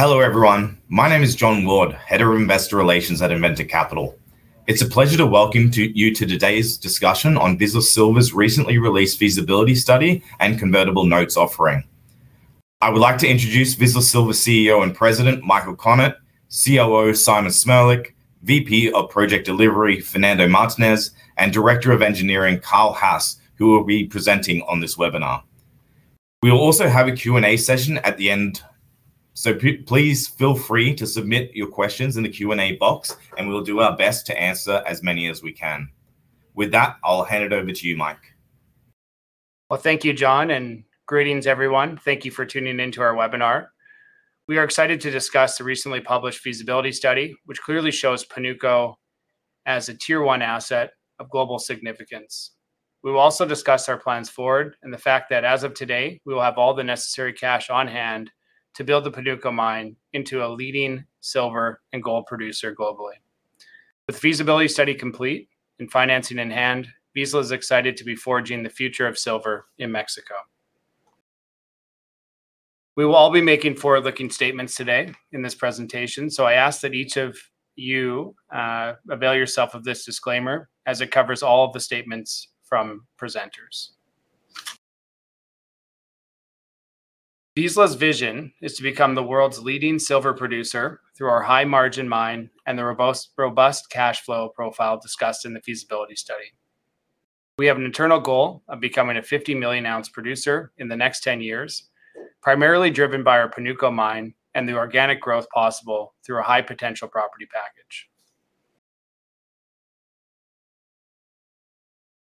Hello, everyone. My name is John Ward, Head of Investor Relations at Inventor Capital. It's a pleasure to welcome you to today's discussion on Vizsla Royalties' recently released feasibility study and convertible notes offering. I would like to introduce Vizsla Royalties CEO and President Michael Pettingell, COO Simon Smirlic, VP of Project Delivery Fernando Martinez, and Director of Engineering Karl Haas, who will be presenting on this webinar. We will also have a Q&A session at the end, so please feel free to submit your questions in the Q&A box, and we'll do our best to answer as many as we can. With that, I'll hand it over to you, Mike. Thank you, John, and greetings, everyone. Thank you for tuning into our webinar. We are excited to discuss the recently published feasibility study, which clearly shows Panuco as a tier-one asset of global significance. We will also discuss our plans forward and the fact that, as of today, we will have all the necessary cash on hand to build the Panuco mine into a leading silver and gold producer globally. With the feasibility study complete and financing in hand, Vizsla Royalties is excited to be forging the future of silver in Mexico. We will all be making forward-looking statements today in this presentation, so I ask that each of you avail yourself of this disclaimer, as it covers all of the statements from presenters. Vizsla Royalties' vision is to become the world's leading silver producer through our high-margin mine and the robust cash flow profile discussed in the feasibility study. We have an internal goal of becoming a 50 million-ounce producer in the next 10 years, primarily driven by our Panuco mine and the organic growth possible through a high-potential property package.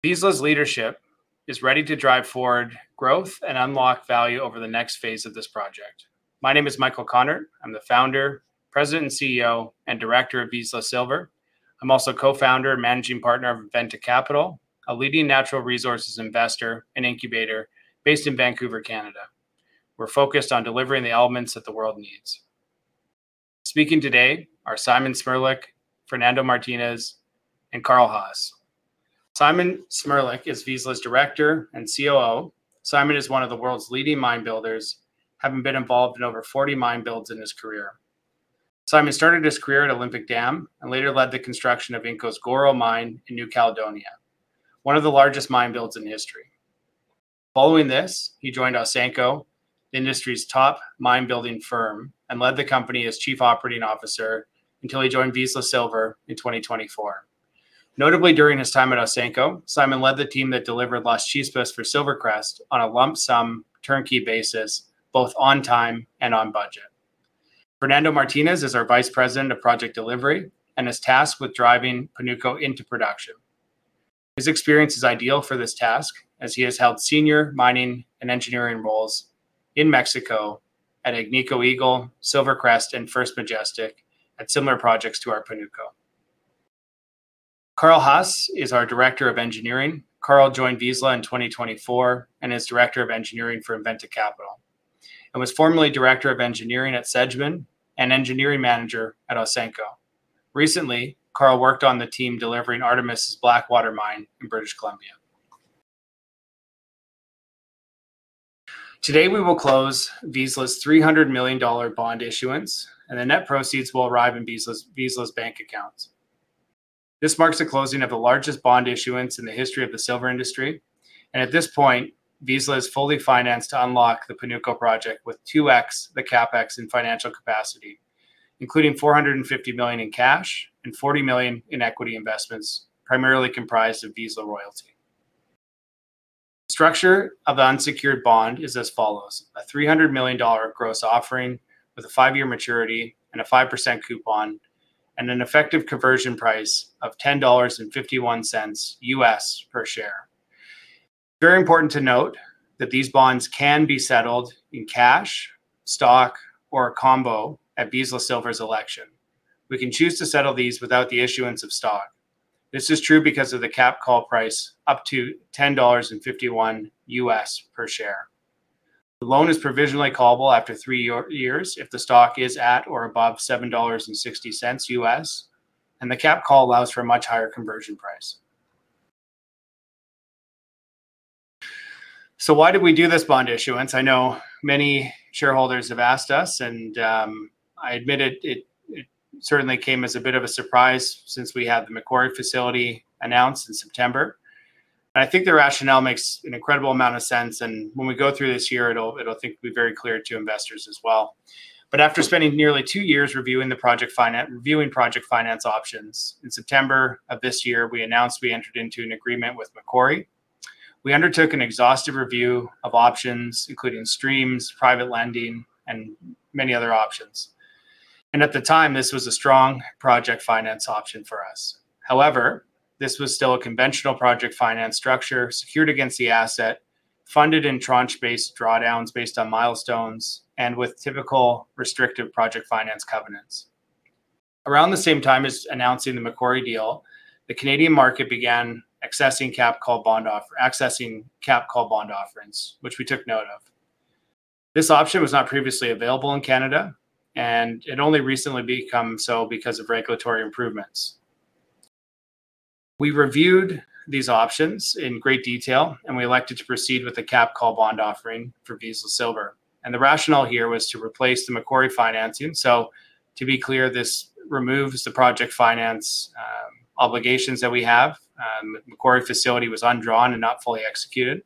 Vizsla Royalties' leadership is ready to drive forward growth and unlock value over the next phase of this project. My name is Michael Pettingell. I'm the founder, president, CEO, and director of Vizsla Royalties. I'm also co-founder and managing partner of Inventor Capital, a leading natural resources investor and incubator based in Vancouver, Canada. We're focused on delivering the elements that the world needs. Speaking today are Simon Smirlic, Fernando Martinez, and Karl Haas. Simon Smirlic is Vizsla Royalties' director and COO. Simon is one of the world's leading mine builders, having been involved in over 40 mine builds in his career. Simon started his career at Olympic Dam and later led the construction of Inco's Goro Mine in New Caledonia, one of the largest mine builds in history. Following this, he joined Ausenco, the industry's top mine building firm, and led the company as Chief Operating Officer until he joined Vizsla Silver in 2024. Notably, during his time at Ausenco, Simon led the team that delivered Las Chispas for Silvercrest on a lump-sum turnkey basis, both on time and on budget. Fernando Martinez is our Vice President of Project Delivery and is tasked with driving Panuco into production. His experience is ideal for this task, as he has held senior mining and engineering roles in Mexico at Agnico Eagle, Silvercrest, and First Majestic at similar projects to our Panuco. Karl Haas is our Director of Engineering. Karl joined Vizsla in 2024 and is Director of Engineering for Inventor Capital and was formerly Director of Engineering at Sedgman and Engineering Manager at Ausenco. Recently, Karl worked on the team delivering Artemis's Blackwater mine in British Columbia. Today, we will close Vizsla's $300 million bond issuance, and the net proceeds will arrive in Vizsla's bank accounts. This marks the closing of the largest bond issuance in the history of the silver industry. At this point, Vizsla is fully financed to unlock the Panuco project with 2X the CapEx in financial capacity, including $450 million in cash and $40 million in equity investments, primarily comprised of Vizsla Royalties. The structure of the unsecured bond is as follows: a $300 million gross offering with a five-year maturity and a 5% coupon and an effective conversion price of $10.51 US per share. It's very important to note that these bonds can be settled in cash, stock, or a combo at Vizsla Royalties' election. We can choose to settle these without the issuance of stock. This is true because of the cap call price up to $10.51 per share. The loan is provisionally callable after three years if the stock is at or above $7.60, and the cap call allows for a much higher conversion price. Why did we do this bond issuance? I know many shareholders have asked us, and I admit it certainly came as a bit of a surprise since we had the Macquarie facility announced in September. I think the rationale makes an incredible amount of sense. When we go through this year, I think it'll be very clear to investors as well. After spending nearly two years reviewing the project finance options, in September of this year, we announced we entered into an agreement with Macquarie. We undertook an exhaustive review of options, including streams, private lending, and many other options. At the time, this was a strong project finance option for us. However, this was still a conventional project finance structure secured against the asset, funded in tranche-based drawdowns based on milestones and with typical restrictive project finance covenants. Around the same time as announcing the Macquarie deal, the Canadian market began accessing cap call bond offerings, which we took note of. This option was not previously available in Canada, and it only recently became so because of regulatory improvements. We reviewed these options in great detail, and we elected to proceed with the cap call bond offering for Vizsla Royalties. The rationale here was to replace the Macquarie financing. To be clear, this removes the project finance obligations that we have. The Macquarie facility was undrawn and not fully executed.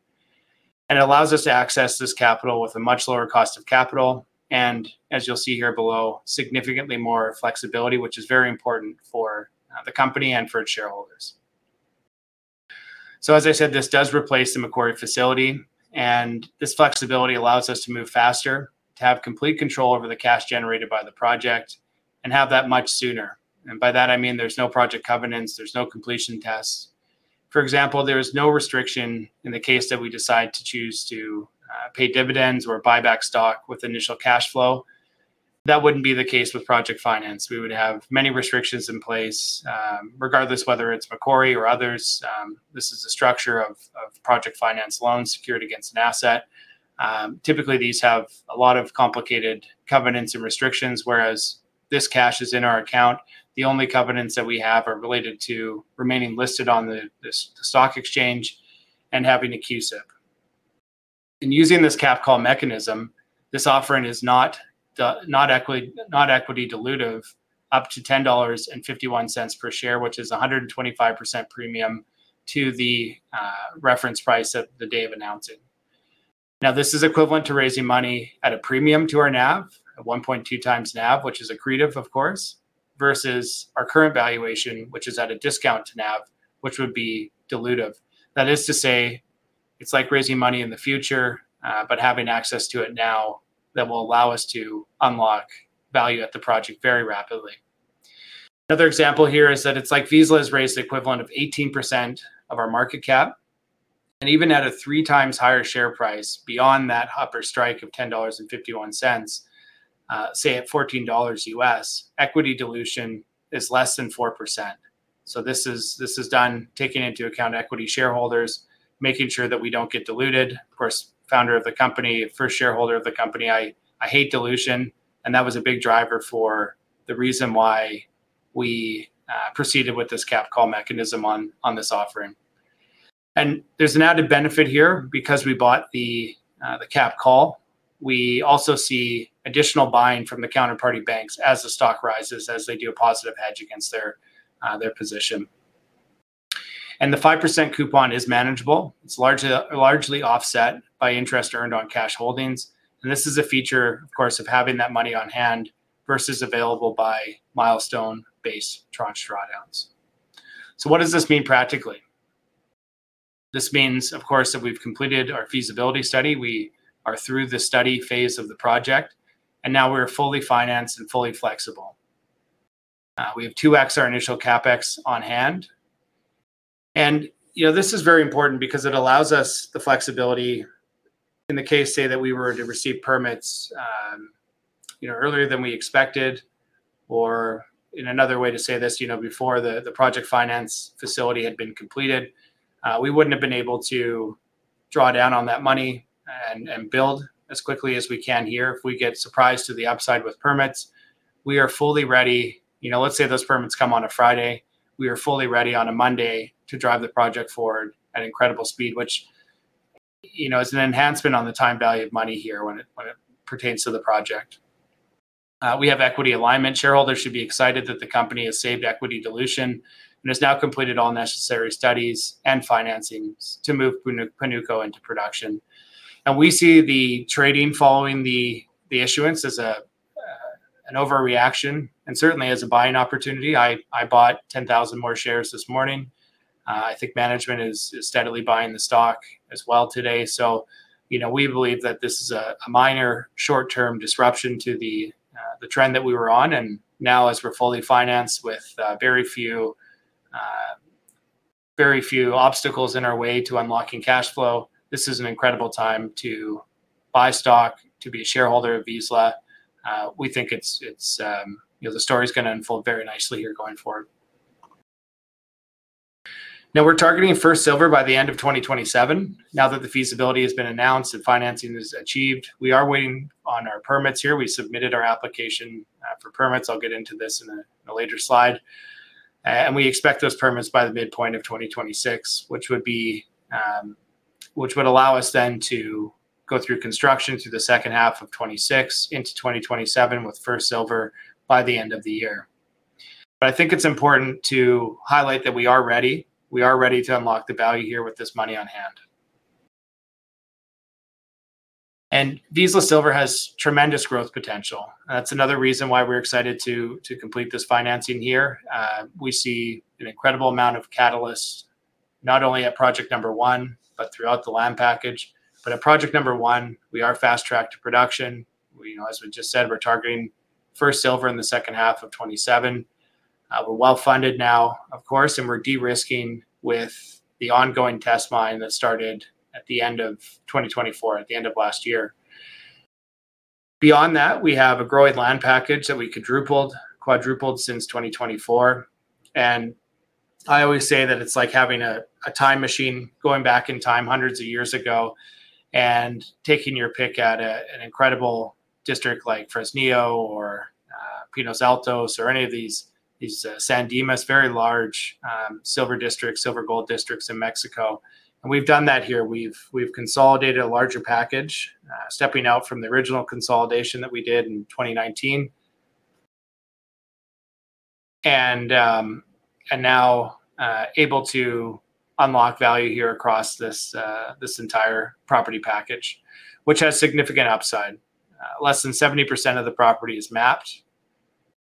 It allows us to access this capital with a much lower cost of capital. As you'll see here below, significantly more flexibility, which is very important for the company and for its shareholders. As I said, this does replace the Macquarie facility. This flexibility allows us to move faster, to have complete control over the cash generated by the project, and have that much sooner. By that, I mean there's no project covenants, there's no completion tests. For example, there is no restriction in the case that we decide to choose to pay dividends or buy back stock with initial cash flow. That would not be the case with project finance. We would have many restrictions in place, regardless whether it is Macquarie or others. This is the structure of project finance loans secured against an asset. Typically, these have a lot of complicated covenants and restrictions, whereas this cash is in our account. The only covenants that we have are related to remaining listed on the stock exchange and having a CUSIP. In using this Cap Call mechanism, this offering is not equity dilutive, up to $10.51 per share, which is a 125% premium to the reference price of the day of announcing. Now, this is equivalent to raising money at a premium to our NAV, a 1.2 times NAV, which is accretive, of course, versus our current valuation, which is at a discount to NAV, which would be dilutive. That is to say, it's like raising money in the future, but having access to it now that will allow us to unlock value at the project very rapidly. Another example here is that it's like Vizsla has raised the equivalent of 18% of our market cap. Even at a three times higher share price beyond that upper strike of $10.51, say at $14 US, equity dilution is less than 4%. This is done taking into account equity shareholders, making sure that we don't get diluted. Of course, founder of the company, first shareholder of the company, I hate dilution. That was a big driver for the reason why we proceeded with this cap call mechanism on this offering. There is an added benefit here because we bought the cap call. We also see additional buying from the counterparty banks as the stock rises, as they do a positive hedge against their position. The 5% coupon is manageable. It's largely offset by interest earned on cash holdings. This is a feature, of course, of having that money on hand versus available by milestone-based tranche drawdowns. What does this mean practically? This means, of course, that we've completed our feasibility study. We are through the study phase of the project, and now we're fully financed and fully flexible. We have 2X our initial CapEx on hand. This is very important because it allows us the flexibility in the case, say, that we were to receive permits earlier than we expected, or in another way to say this, before the project finance facility had been completed, we would not have been able to draw down on that money and build as quickly as we can here if we get surprised to the upside with permits. We are fully ready. Let's say those permits come on a Friday. We are fully ready on a Monday to drive the project forward at incredible speed, which is an enhancement on the time value of money here when it pertains to the project. We have equity alignment. Shareholders should be excited that the company has saved equity dilution and has now completed all necessary studies and financing to move Panuco into production. We see the trading following the issuance as an overreaction and certainly as a buying opportunity. I bought 10,000 more shares this morning. I think management is steadily buying the stock as well today. We believe that this is a minor short-term disruption to the trend that we were on. Now, as we're fully financed with very few obstacles in our way to unlocking cash flow, this is an incredible time to buy stock, to be a shareholder of Vizsla Royalties. We think the story is going to unfold very nicely here going forward. Now, we're targeting First Silver by the end of 2027. Now that the feasibility has been announced and financing is achieved, we are waiting on our permits here. We submitted our application for permits. I'll get into this in a later slide. We expect those permits by the midpoint of 2026, which would allow us to go through construction through the second half of 2026 into 2027 with First Silver by the end of the year. I think it's important to highlight that we are ready. We are ready to unlock the value here with this money on hand. Vizsla Royalties has tremendous growth potential. That's another reason why we're excited to complete this financing here. We see an incredible amount of catalysts, not only at project number one, but throughout the LAM package. At project number one, we are fast-tracked to production. As we just said, we're targeting First Silver in the second half of 2027. We're well-funded now, of course, and we're de-risking with the ongoing test mine that started at the end of 2024, at the end of last year. Beyond that, we have a growing land package that we quadrupled since 2024. I always say that it's like having a time machine going back in time hundreds of years ago and taking your pick at an incredible district like Fresnillo or Pinos Altos or any of these San Dimas, very large silver districts, silver gold districts in Mexico. We have done that here. We have consolidated a larger package, stepping out from the original consolidation that we did in 2019, and now able to unlock value here across this entire property package, which has significant upside. Less than 70% of the property is mapped,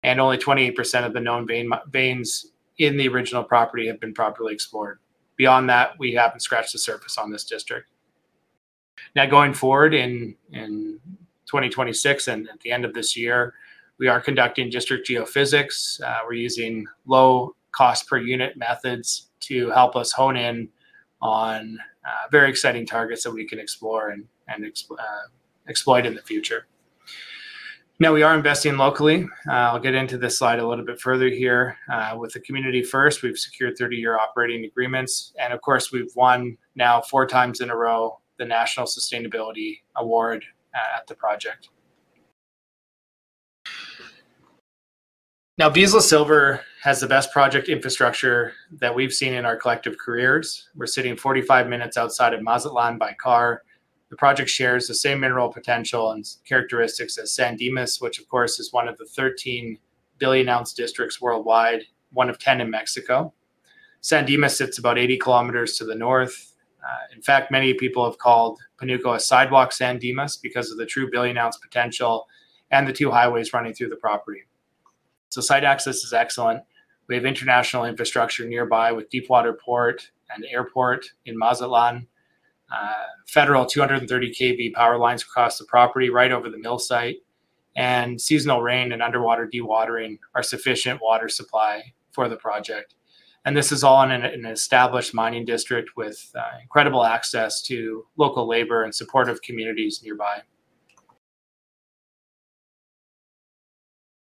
and only 28% of the known veins in the original property have been properly explored. Beyond that, we have not scratched the surface on this district. Now, going forward in 2026 and at the end of this year, we are conducting district geophysics. We're using low cost per unit methods to help us hone in on very exciting targets that we can explore and exploit in the future. Now, we are investing locally. I'll get into this slide a little bit further here. With the community first, we've secured 30-year operating agreements. Of course, we've won now four times in a row the National Sustainability Award at the project. Now, Vizsla Royalties has the best project infrastructure that we've seen in our collective careers. We're sitting 45 minutes outside of Mazatlán by car. The project shares the same mineral potential and characteristics as San Dimas, which, of course, is one of the 13 billion-ounce districts worldwide, one of 10 in Mexico. San Dimas sits about 80 kilometers to the north. In fact, many people have called Panuco a sidewalk San Dimas because of the true billion-ounce potential and the two highways running through the property. Site access is excellent. We have international infrastructure nearby with Deepwater Port and Airport in Mazatlán. Federal 230 kV power lines cross the property right over the mill site. Seasonal rain and underwater dewatering are sufficient water supply for the project. This is all in an established mining district with incredible access to local labor and supportive communities nearby.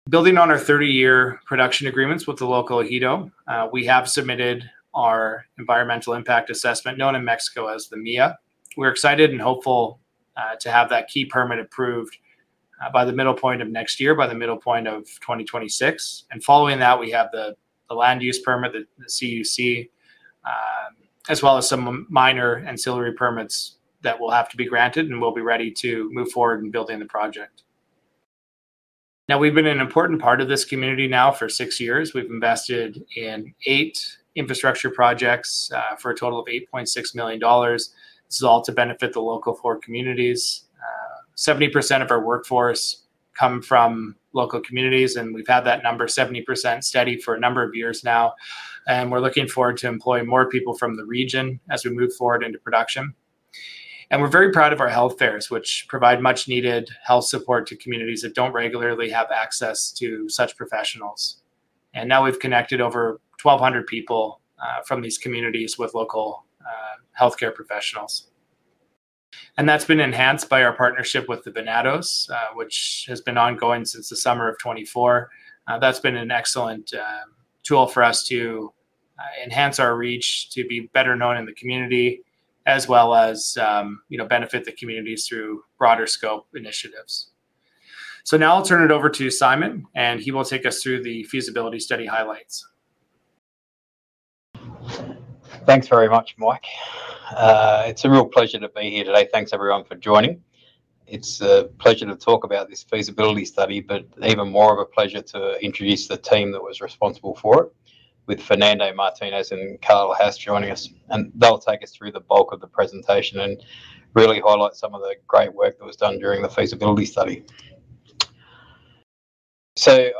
Building on our 30-year production agreements with the local ejido, we have submitted our environmental impact assessment, known in Mexico as the MIA. We're excited and hopeful to have that key permit approved by the middle point of next year, by the middle point of 2026. Following that, we have the land use permit, the CUC, as well as some minor ancillary permits that will have to be granted, and we'll be ready to move forward in building the project. Now, we've been an important part of this community now for six years. We've invested in eight infrastructure projects for a total of $8.6 million. This is all to benefit the local four communities. 70% of our workforce come from local communities, and we've had that number 70% steady for a number of years now. We're looking forward to employing more people from the region as we move forward into production. We're very proud of our health fairs, which provide much-needed health support to communities that don't regularly have access to such professionals. Now we've connected over 1,200 people from these communities with local healthcare professionals. That's been enhanced by our partnership with the Venados, which has been ongoing since the summer of 2024. That's been an excellent tool for us to enhance our reach, to be better known in the community, as well as benefit the communities through broader scope initiatives. Now I'll turn it over to Simon, and he will take us through the feasibility study highlights. Thanks very much, Mike. It's a real pleasure to be here today. Thanks, everyone, for joining. It's a pleasure to talk about this feasibility study, but even more of a pleasure to introduce the team that was responsible for it, with Fernando Martinez and Karl Haas joining us. They'll take us through the bulk of the presentation and really highlight some of the great work that was done during the feasibility study.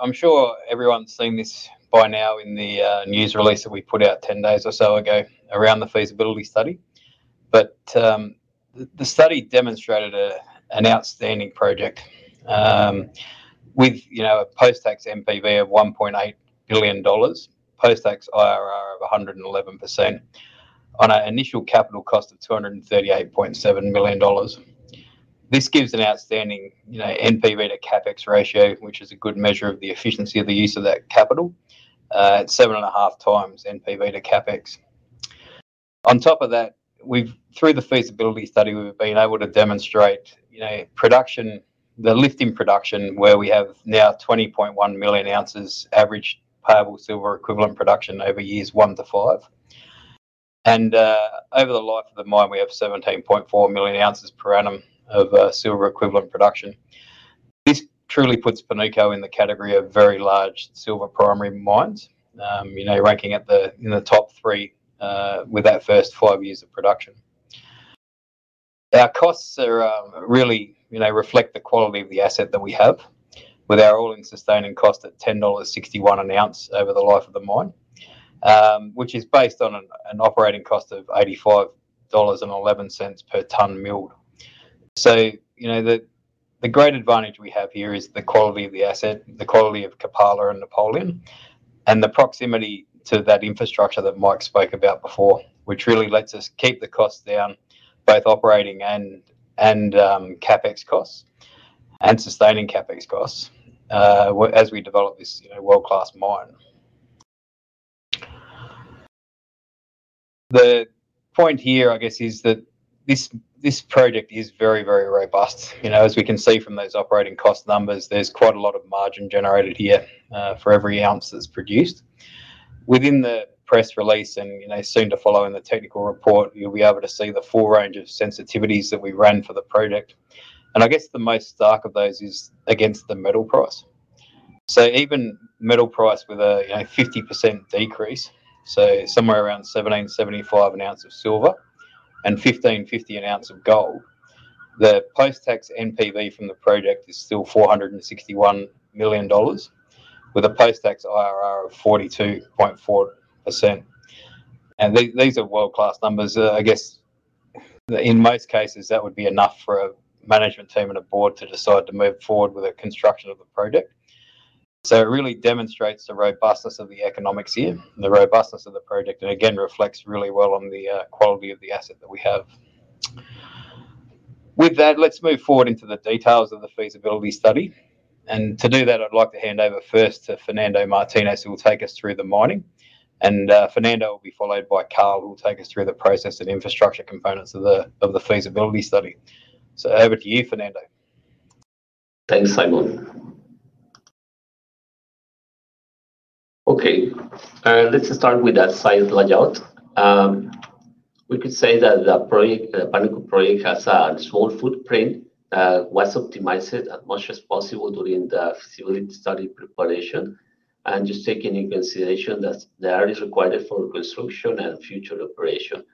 I'm sure everyone's seen this by now in the news release that we put out 10 days or so ago around the feasibility study. The study demonstrated an outstanding project with a post-tax NPV of $1.8 billion, post-tax IRR of 111%, on an initial capital cost of $238.7 million. This gives an outstanding NPV to CapEx ratio, which is a good measure of the efficiency of the use of that capital. It's seven and a half times NPV to CapEx. On top of that, through the Feasibility Study, we've been able to demonstrate production, the lifting production, where we have now 20.1 million ounces average payable silver equivalent production over years one to five. Over the life of the mine, we have 17.4 million ounces per annum of silver equivalent production. This truly puts Panuco in the category of very large silver primary mines, ranking in the top three with that first five years of production. Our costs really reflect the quality of the asset that we have, with our all-in sustaining cost at $10.61 an ounce over the life of the mine, which is based on an operating cost of $85.11 per ton milled. The great advantage we have here is the quality of the asset, the quality of Kapala and Napoleon, and the proximity to that infrastructure that Mike spoke about before, which really lets us keep the costs down, both operating and CapEx costs and sustaining CapEx costs as we develop this world-class mine. The point here, I guess, is that this project is very, very robust. As we can see from those operating cost numbers, there is quite a lot of margin generated here for every ounce that is produced. Within the press release and soon to follow in the technical report, you'll be able to see the full range of sensitivities that we ran for the project. I guess the most stark of those is against the middle price. Even middle price with a 50% decrease, so somewhere around $1,775 an ounce of silver and $1,550 an ounce of gold, the post-tax NPV from the project is still $461 million with a post-tax IRR of 42.4%. These are world-class numbers. I guess in most cases, that would be enough for a management team and a board to decide to move forward with the construction of the project. It really demonstrates the robustness of the economics here, the robustness of the project, and again, reflects really well on the quality of the asset that we have. With that, let's move forward into the details of the feasibility study. To do that, I'd like to hand over first to Fernando Martinez, who will take us through the mining. Fernando will be followed by Karl, who will take us through the process and infrastructure components of the feasibility study. Over to you, Fernando. Thanks, Simon. Okay. Let's start with that site layout. We could say that the Panuco project has a small footprint, was optimized as much as possible during the feasibility study preparation, and just taking into consideration that the area is required for construction and future operation.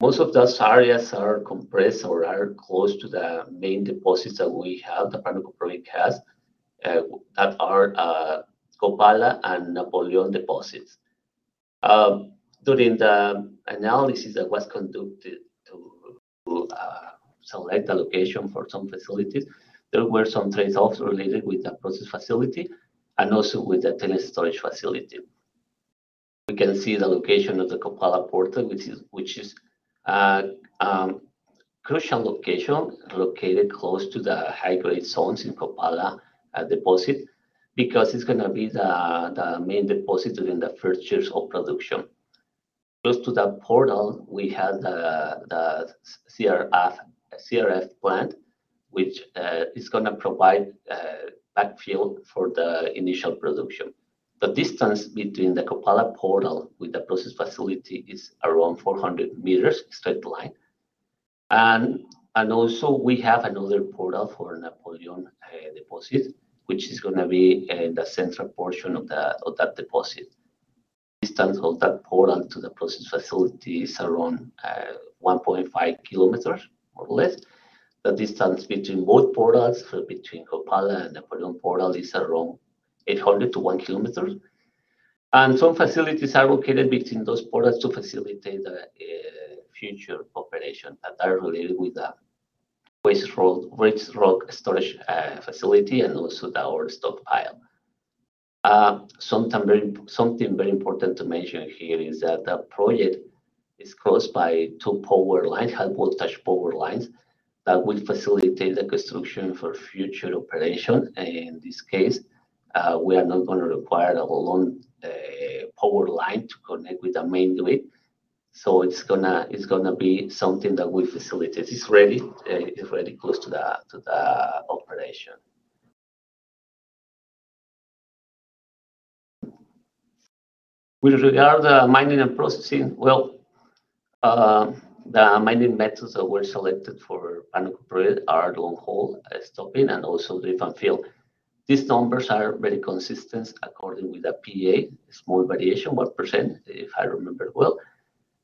Most of those areas are compressed or are close to the main deposits that we have, the Panuco project has, that are Copala and Napoleon deposits. During the analysis that was conducted to select the location for some facilities, there were some trade-offs related with the process facility and also with the tailings storage facility. We can see the location of the Kopala portal, which is a crucial location located close to the high-grade zones in Kopala deposit because it's going to be the main deposit during the first years of production. Close to that portal, we have the CRF plant, which is going to provide backfill for the initial production. The distance between the Kopala portal with the process facility is around 400 meters straight line. Also, we have another portal for Napoleon deposit, which is going to be in the central portion of that deposit. Distance of that portal to the process facility is around 1.5 kilometers, more or less. The distance between both portals, between Kopala and Napoleon portal, is around 800 to 1 kilometer. Some facilities are located between those portals to facilitate the future operation that are related with the waste rock storage facility and also the ore stockpile. Something very important to mention here is that the project is crossed by two power lines, high-voltage power lines that will facilitate the construction for future operation. In this case, we are not going to require a long power line to connect with the main grid. It's going to be something that we facilitate. It's ready close to the operation. With regard to mining and processing, the mining methods that were selected for Panuco project are long-hole stoping and also drift and fill. These numbers are very consistent according with the PEA, small variation, 1%, if I remember it well,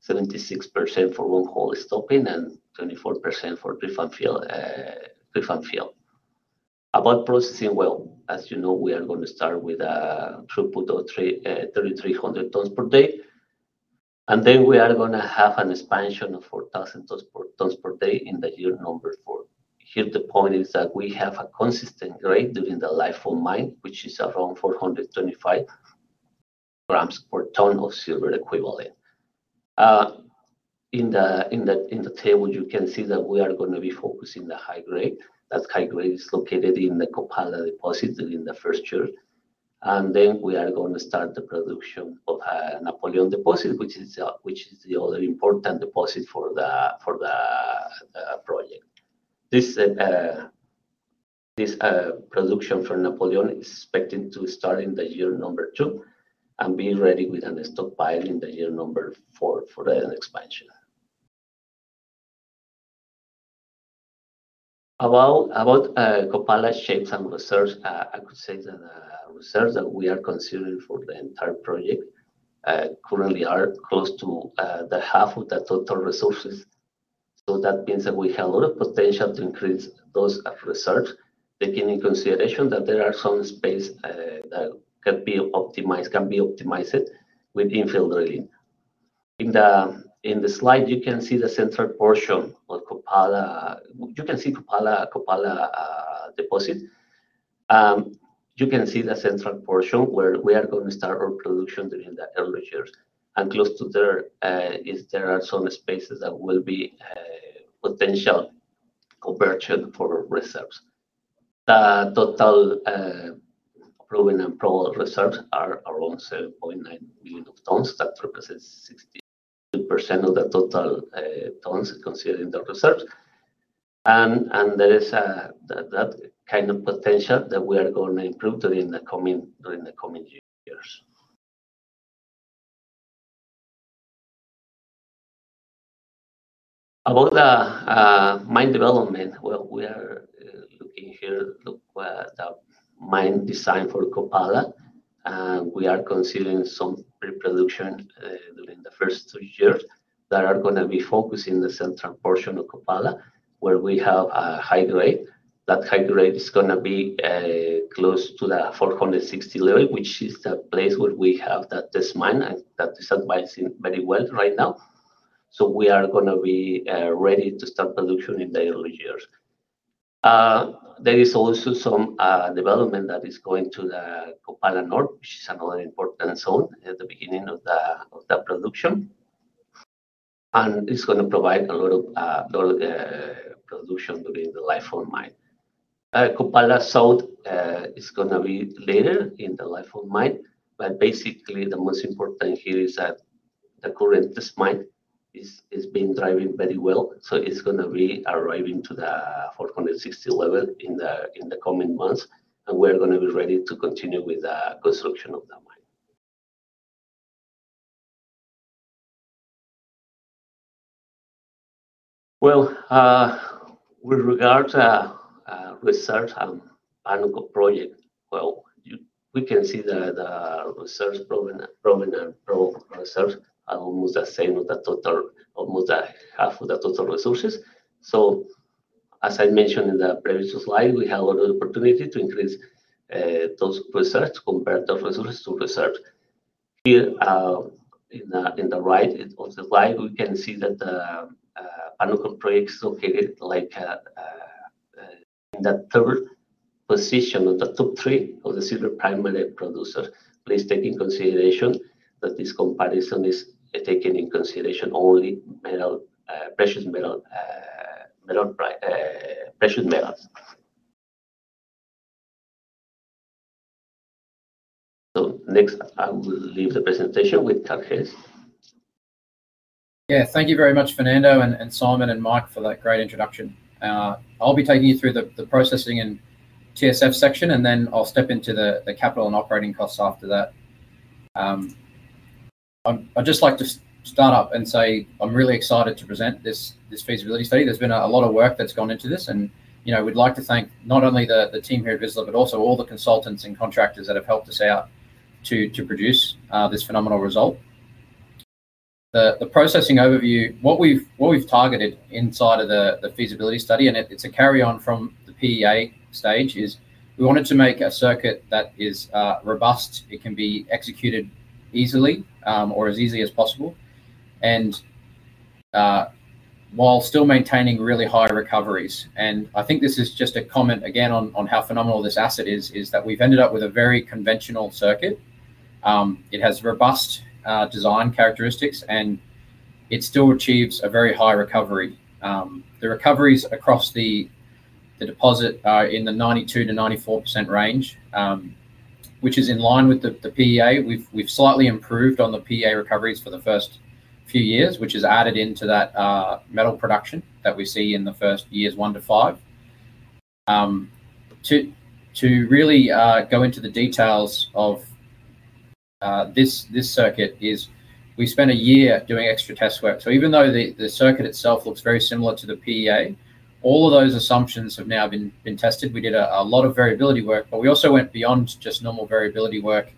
76% for long-hole stoping and 24% for drift and fill. About processing, as you know, we are going to start with a throughput of 3,300 tons per day. We are going to have an expansion to 4,000 tons per day in the year number four. Here, the point is that we have a consistent grade during the life of mine, which is around 425 grams per ton of silver equivalent. In the table, you can see that we are going to be focusing on the high grade. That high grade is located in the Copala deposit during the first year. We are going to start the production of Napoleon deposit, which is the other important deposit for the project. This production for Napoleon is expected to start in the year number two and be ready with a stockpile in the year number four for an expansion. About Kopala shapes and reserves, I could say that the reserves that we are considering for the entire project currently are close to half of the total resources. That means that we have a lot of potential to increase those reserves, taking into consideration that there are some space that can be optimized with infill drilling. In the slide, you can see the central portion of Kopala. You can see Kopala deposit. You can see the central portion where we are going to start our production during the early years. Close to there, there are some spaces that will be potential conversion for reserves. The total proven and probed reserves are around 7.9 million tons. That represents 62% of the total tons considering the reserves. There is that kind of potential that we are going to improve during the coming years. About the mine development, we are looking here at the mine design for Kopala. We are considering some pre-production during the first two years that are going to be focused in the central portion of Kopala, where we have a high grade. That high grade is going to be close to the 460 level, which is the place where we have that test mine, and that is advancing very well right now. We are going to be ready to start production in the early years. There is also some development that is going to the Kopala North, which is another important zone at the beginning of the production. It's going to provide a lot of production during the life of mine. Kopala South is going to be later in the life of mine. The most important here is that the current test mine is being driving very well. It's going to be arriving to the 460 level in the coming months. We're going to be ready to continue with the construction of the mine. With regard to reserves and Panuco project, we can see that the reserves, proven and probed reserves, are almost the same as the total, almost half of the total resources. As I mentioned in the previous slide, we have a lot of opportunity to increase those reserves, compare the resources to reserves. Here, in the right of the slide, we can see that the Panuco project is located in the third position of the top three of the silver primary producers. Please take into consideration that this comparison is taking into consideration only precious metals. Next, I will leave the presentation with Karl Haas. Yeah, thank you very much, Fernando, and Simon and Mike for that great introduction. I'll be taking you through the processing and TSF section, and then I'll step into the capital and operating costs after that. I'd just like to start up and say I'm really excited to present this feasibility study. There's been a lot of work that's gone into this. We'd like to thank not only the team here at Vizsla, but also all the consultants and contractors that have helped us out to produce this phenomenal result. The processing overview, what we've targeted inside of the feasibility study, and it's a carry-on from the PEA stage, is we wanted to make a circuit that is robust. It can be executed easily or as easily as possible, while still maintaining really high recoveries. I think this is just a comment, again, on how phenomenal this asset is, is that we've ended up with a very conventional circuit. It has robust design characteristics, and it still achieves a very high recovery. The recoveries across the deposit are in the 92-94% range, which is in line with the PEA. We've slightly improved on the PEA recoveries for the first few years, which is added into that metal production that we see in the first years, one to five. To really go into the details of this circuit, we spent a year doing extra test work. Even though the circuit itself looks very similar to the PEA, all of those assumptions have now been tested. We did a lot of variability work, but we also went beyond just normal variability work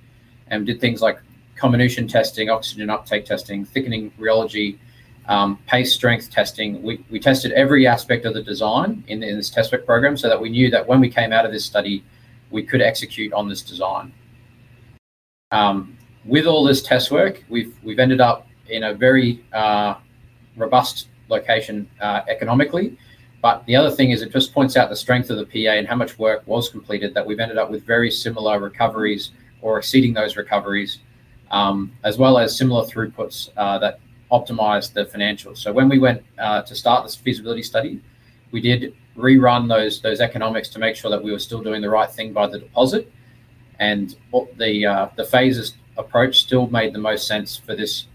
and did things like comminution testing, oxygen uptake testing, thickening rheology, paste strength testing. We tested every aspect of the design in this test work program so that we knew that when we came out of this study, we could execute on this design. With all this test work, we've ended up in a very robust location economically. The other thing is it just points out the strength of the PEA and how much work was completed that we've ended up with very similar recoveries or exceeding those recoveries, as well as similar throughputs that optimize the financials. When we went to start this feasibility study, we did rerun those economics to make sure that we were still doing the right thing by the deposit. The phased approach still made the most sense for this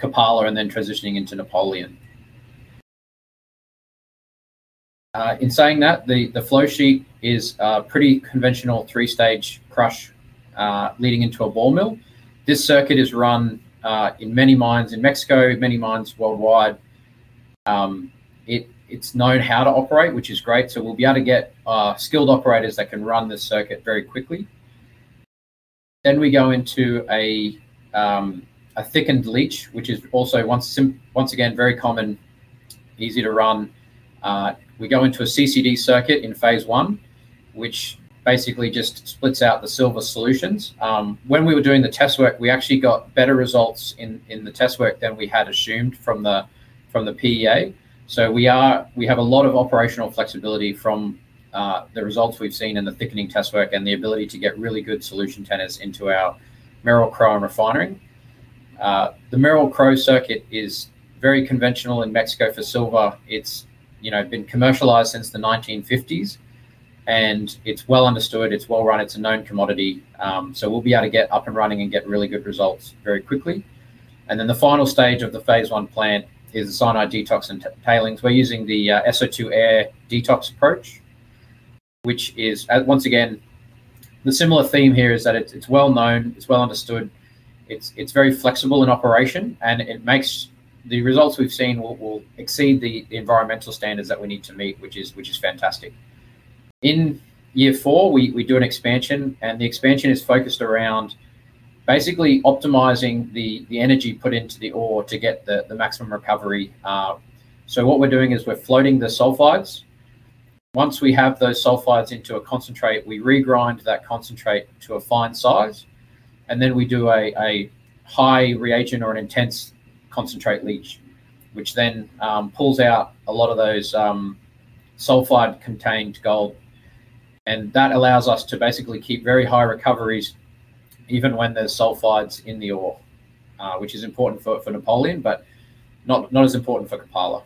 Kopala and then transitioning into Napoleon. In saying that, the flow sheet is a pretty conventional three-stage crush leading into a ball mill. This circuit is run in many mines in Mexico, many mines worldwide. It's known how to operate, which is great. We'll be able to get skilled operators that can run this circuit very quickly. We go into a thickened leach, which is also, once again, very common, easy to run. We go into a CCD circuit in phase one, which basically just splits out the silver solutions. When we were doing the test work, we actually got better results in the test work than we had assumed from the PEA. We have a lot of operational flexibility from the results we've seen in the thickening test work and the ability to get really good solution tanners into our Merrill-Crowe refinery. The Merrill-Crowe circuit is very conventional in Mexico for silver. It has been commercialized since the 1950s. It is well understood. It is well run. It is a known commodity. We will be able to get up and running and get really good results very quickly. The final stage of the phase one plant is cyanide detox and tailings. We are using the SO2 air detox approach, which is, once again, the similar theme here is that it is well known, it is well understood. It's very flexible in operation, and the results we've seen will exceed the environmental standards that we need to meet, which is fantastic. In year four, we do an expansion, and the expansion is focused around basically optimizing the energy put into the ore to get the maximum recovery. What we're doing is we're floating the sulfides. Once we have those sulfides into a concentrate, we regrind that concentrate to a fine size. We do a high reagent or an intense concentrate leach, which then pulls out a lot of those sulfide-contained gold. That allows us to basically keep very high recoveries even when there's sulfides in the ore, which is important for Napoleon, but not as important for Kopala.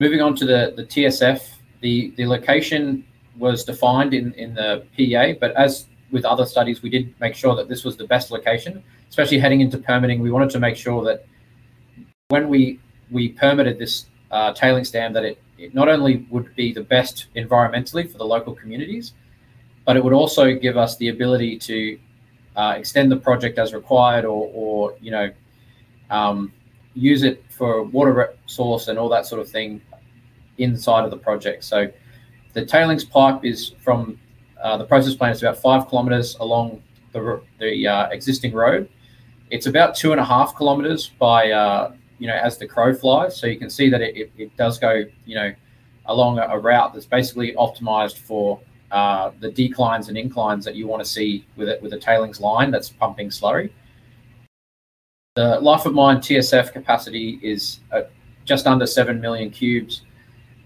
Moving on to the TSF, the location was defined in the PEA, but as with other studies, we did make sure that this was the best location, especially heading into permitting. We wanted to make sure that when we permitted this tailings stand, that it not only would be the best environmentally for the local communities, but it would also give us the ability to extend the project as required or use it for water source and all that sort of thing inside of the project. The tailings pipe is from the process plant, it's about 5 km along the existing road. It's about 2.5 km by as the crow flies. You can see that it does go along a route that's basically optimized for the declines and inclines that you want to see with a tailings line that's pumping slowly. The life of mine TSF capacity is just under 7 million cubes.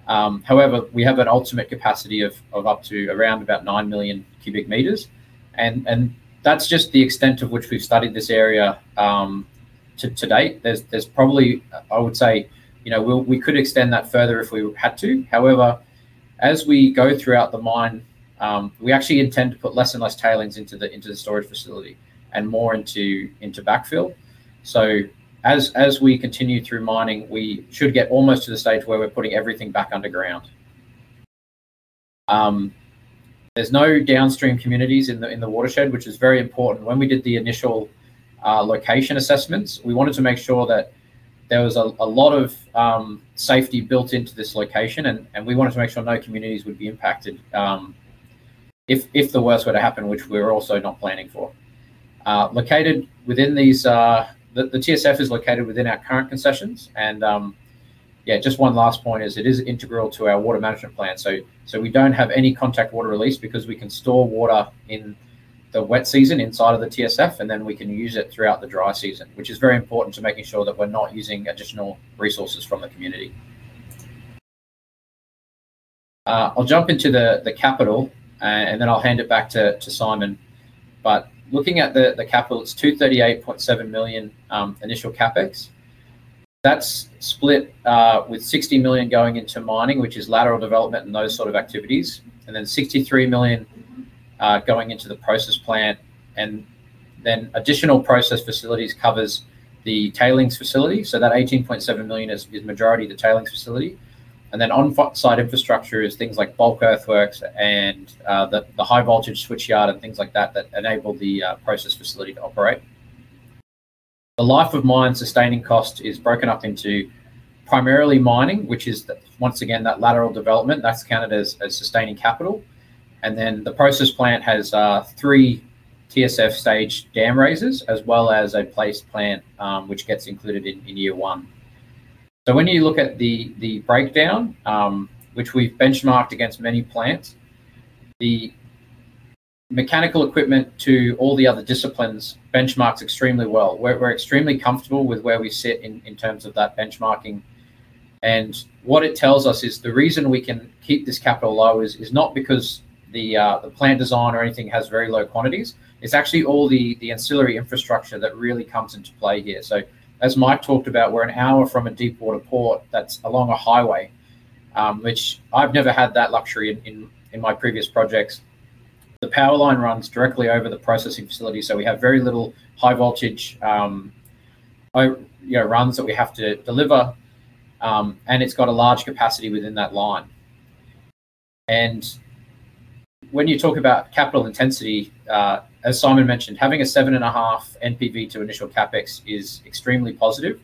However, we have an ultimate capacity of up to around about 9 million cubic meters. That is just the extent of which we have studied this area to date. There is probably, I would say, we could extend that further if we had to. However, as we go throughout the mine, we actually intend to put less and less tailings into the storage facility and more into backfill. As we continue through mining, we should get almost to the stage where we are putting everything back underground. There are no downstream communities in the watershed, which is very important. When we did the initial location assessments, we wanted to make sure that there was a lot of safety built into this location, and we wanted to make sure no communities would be impacted if the worst were to happen, which we were also not planning for. Located within these, the TSF is located within our current concessions. Yeah, just one last point is it is integral to our water management plan. We do not have any contact water release because we can store water in the wet season inside of the TSF, and then we can use it throughout the dry season, which is very important to making sure that we are not using additional resources from the community. I'll jump into the capital, and then I'll hand it back to Simon. Looking at the capital, it is $238.7 million initial capex. That's split with $60 million going into mining, which is lateral development and those sort of activities, and then $63 million going into the process plant. Additional process facilities covers the tailings facility. That $18.7 million is majority of the tailings facility. On-site infrastructure is things like bulk earthworks and the high-voltage switch yard and things like that that enable the process facility to operate. The life of mine sustaining cost is broken up into primarily mining, which is, once again, that lateral development. That's counted as sustaining capital. The process plant has three TSF stage dam raisers, as well as a paste plant which gets included in year one. When you look at the breakdown, which we've benchmarked against many plants, the mechanical equipment to all the other disciplines benchmarks extremely well. We're extremely comfortable with where we sit in terms of that benchmarking. What it tells us is the reason we can keep this capital low is not because the plant design or anything has very low quantities. It's actually all the ancillary infrastructure that really comes into play here. As Mike talked about, we're an hour from a deep water port that's along a highway, which I've never had that luxury in my previous projects. The power line runs directly over the processing facility. We have very little high-voltage runs that we have to deliver. It's got a large capacity within that line. When you talk about capital intensity, as Simon mentioned, having a seven and a half NPV to initial CapEx is extremely positive.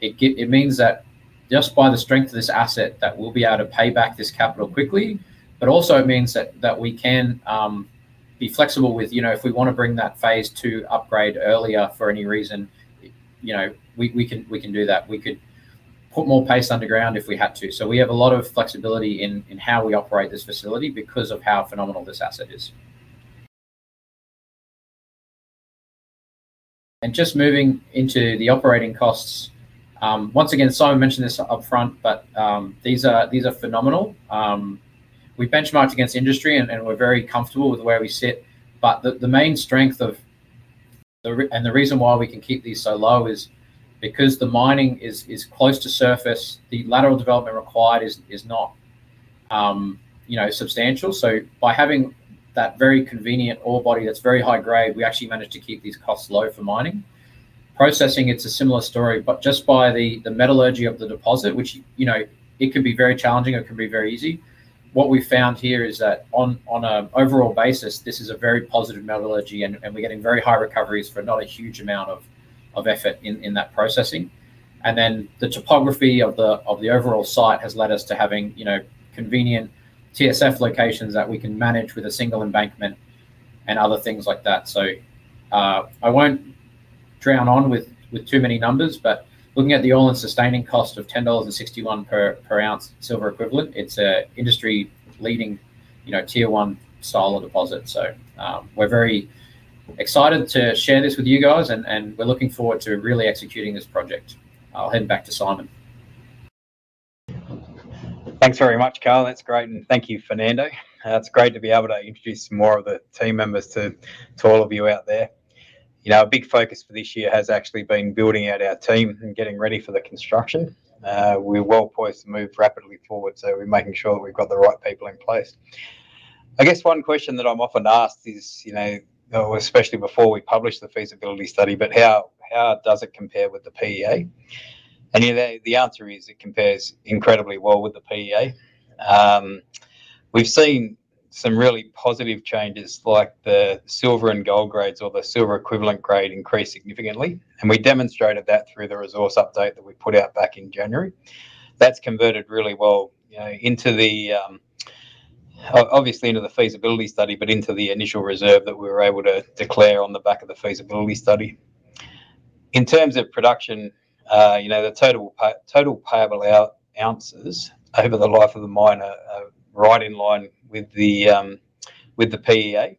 It means that just by the strength of this asset, we'll be able to pay back this capital quickly. It also means that we can be flexible with if we want to bring that phase two upgrade earlier for any reason, we can do that. We could put more paste underground if we had to. We have a lot of flexibility in how we operate this facility because of how phenomenal this asset is. Just moving into the operating costs, once again, Simon mentioned this upfront, but these are phenomenal. We benchmarked against industry, and we're very comfortable with where we sit. The main strength and the reason why we can keep these so low is because the mining is close to surface, the lateral development required is not substantial. By having that very convenient ore body that's very high grade, we actually managed to keep these costs low for mining. Processing, it's a similar story, but just by the metallurgy of the deposit, which it can be very challenging or it can be very easy. What we found here is that on an overall basis, this is a very positive metallurgy, and we're getting very high recoveries for not a huge amount of effort in that processing. The topography of the overall site has led us to having convenient TSF locations that we can manage with a single embankment and other things like that. I won't drown on with too many numbers, but looking at the all-in sustaining cost of $10.61 per ounce silver equivalent, it's an industry-leading tier one style of deposit. We're very excited to share this with you guys, and we're looking forward to really executing this project. I'll hand back to Simon. Thanks very much, Karl. That's great. Thank you, Fernando. It's great to be able to introduce more of the team members to all of you out there. Our big focus for this year has actually been building out our team and getting ready for the construction. We're well poised to move rapidly forward, so we're making sure that we've got the right people in place. I guess one question that I'm often asked is, especially before we publish the feasibility study, how does it compare with the PEA? The answer is it compares incredibly well with the PEA. We've seen some really positive changes like the silver and gold grades or the silver equivalent grade increase significantly. We demonstrated that through the resource update that we put out back in January. That's converted really well into the, obviously into the feasibility study, but into the initial reserve that we were able to declare on the back of the feasibility study. In terms of production, the total payable ounces over the life of the mine are right in line with the PEA.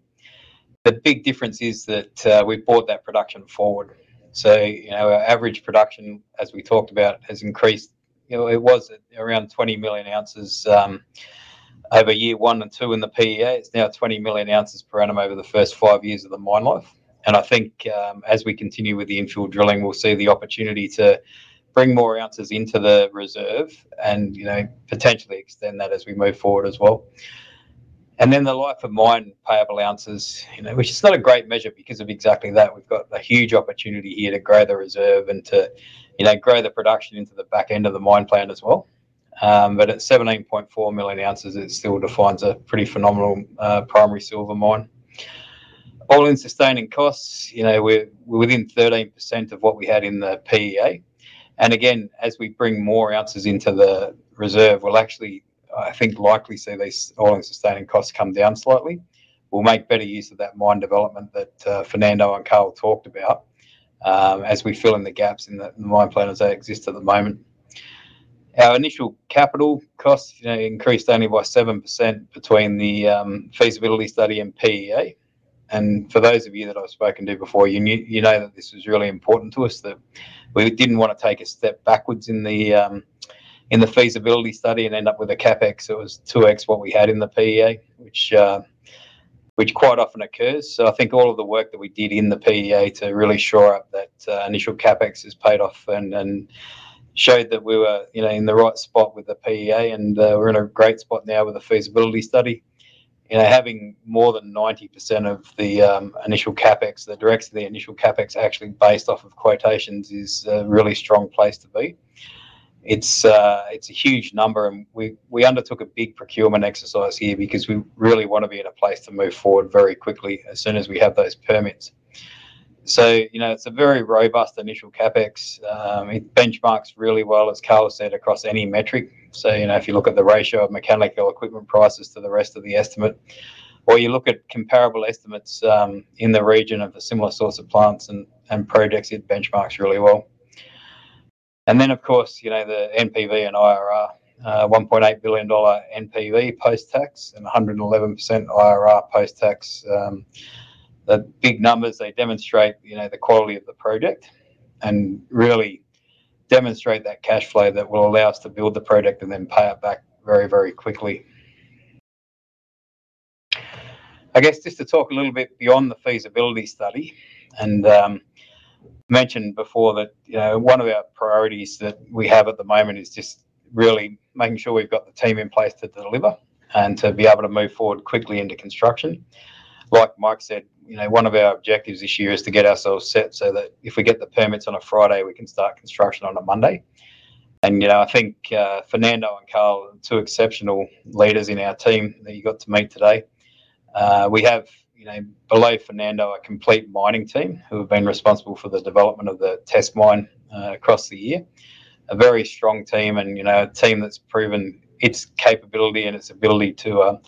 The big difference is that we've brought that production forward. Our average production, as we talked about, has increased. It was around 20 million ounces over year one and two in the PEA. It's now 20 million ounces per annum over the first five years of the mine life. I think as we continue with the infill drilling, we'll see the opportunity to bring more ounces into the reserve and potentially extend that as we move forward as well. The life of mine payable ounces, which is not a great measure because of exactly that. We've got a huge opportunity here to grow the reserve and to grow the production into the back end of the mine plan as well. At 17.4 million ounces, it still defines a pretty phenomenal primary silver mine. All-in sustaining costs, we're within 13% of what we had in the PEA. As we bring more ounces into the reserve, we'll actually, I think, likely see these all-in sustaining costs come down slightly. We'll make better use of that mine development that Fernando and Karl talked about as we fill in the gaps in the mine plans that exist at the moment. Our initial capital costs increased only by 7% between the feasibility study and PEA. For those of you that I've spoken to before, you know that this was really important to us, that we did not want to take a step backwards in the feasibility study and end up with a CapEx that was 2x what we had in the PEA, which quite often occurs. I think all of the work that we did in the PEA to really shore up that initial CapEx has paid off and showed that we were in the right spot with the PEA, and we are in a great spot now with the feasibility study. Having more than 90% of the initial CapEx, the direct to the initial CapEx actually based off of quotations, is a really strong place to be. It's a huge number, and we undertook a big procurement exercise here because we really want to be in a place to move forward very quickly as soon as we have those permits. It's a very robust initial CapEx. It benchmarks really well, as Karl said, across any metric. If you look at the ratio of mechanical equipment prices to the rest of the estimate, or you look at comparable estimates in the region of a similar source of plants and projects, it benchmarks really well. Of course, the NPV and IRR, $1.8 billion NPV post-tax and 111% IRR post-tax. The big numbers, they demonstrate the quality of the project and really demonstrate that cash flow that will allow us to build the project and then pay it back very, very quickly. I guess just to talk a little bit beyond the feasibility study, I mentioned before that one of our priorities that we have at the moment is just really making sure we've got the team in place to deliver and to be able to move forward quickly into construction. Like Mike said, one of our objectives this year is to get ourselves set so that if we get the permits on a Friday, we can start construction on a Monday. I think Fernando and Karl are two exceptional leaders in our team that you got to meet today. We have, below Fernando, a complete mining team who have been responsible for the development of the test mine across the year. A very strong team and a team that's proven its capability and its ability to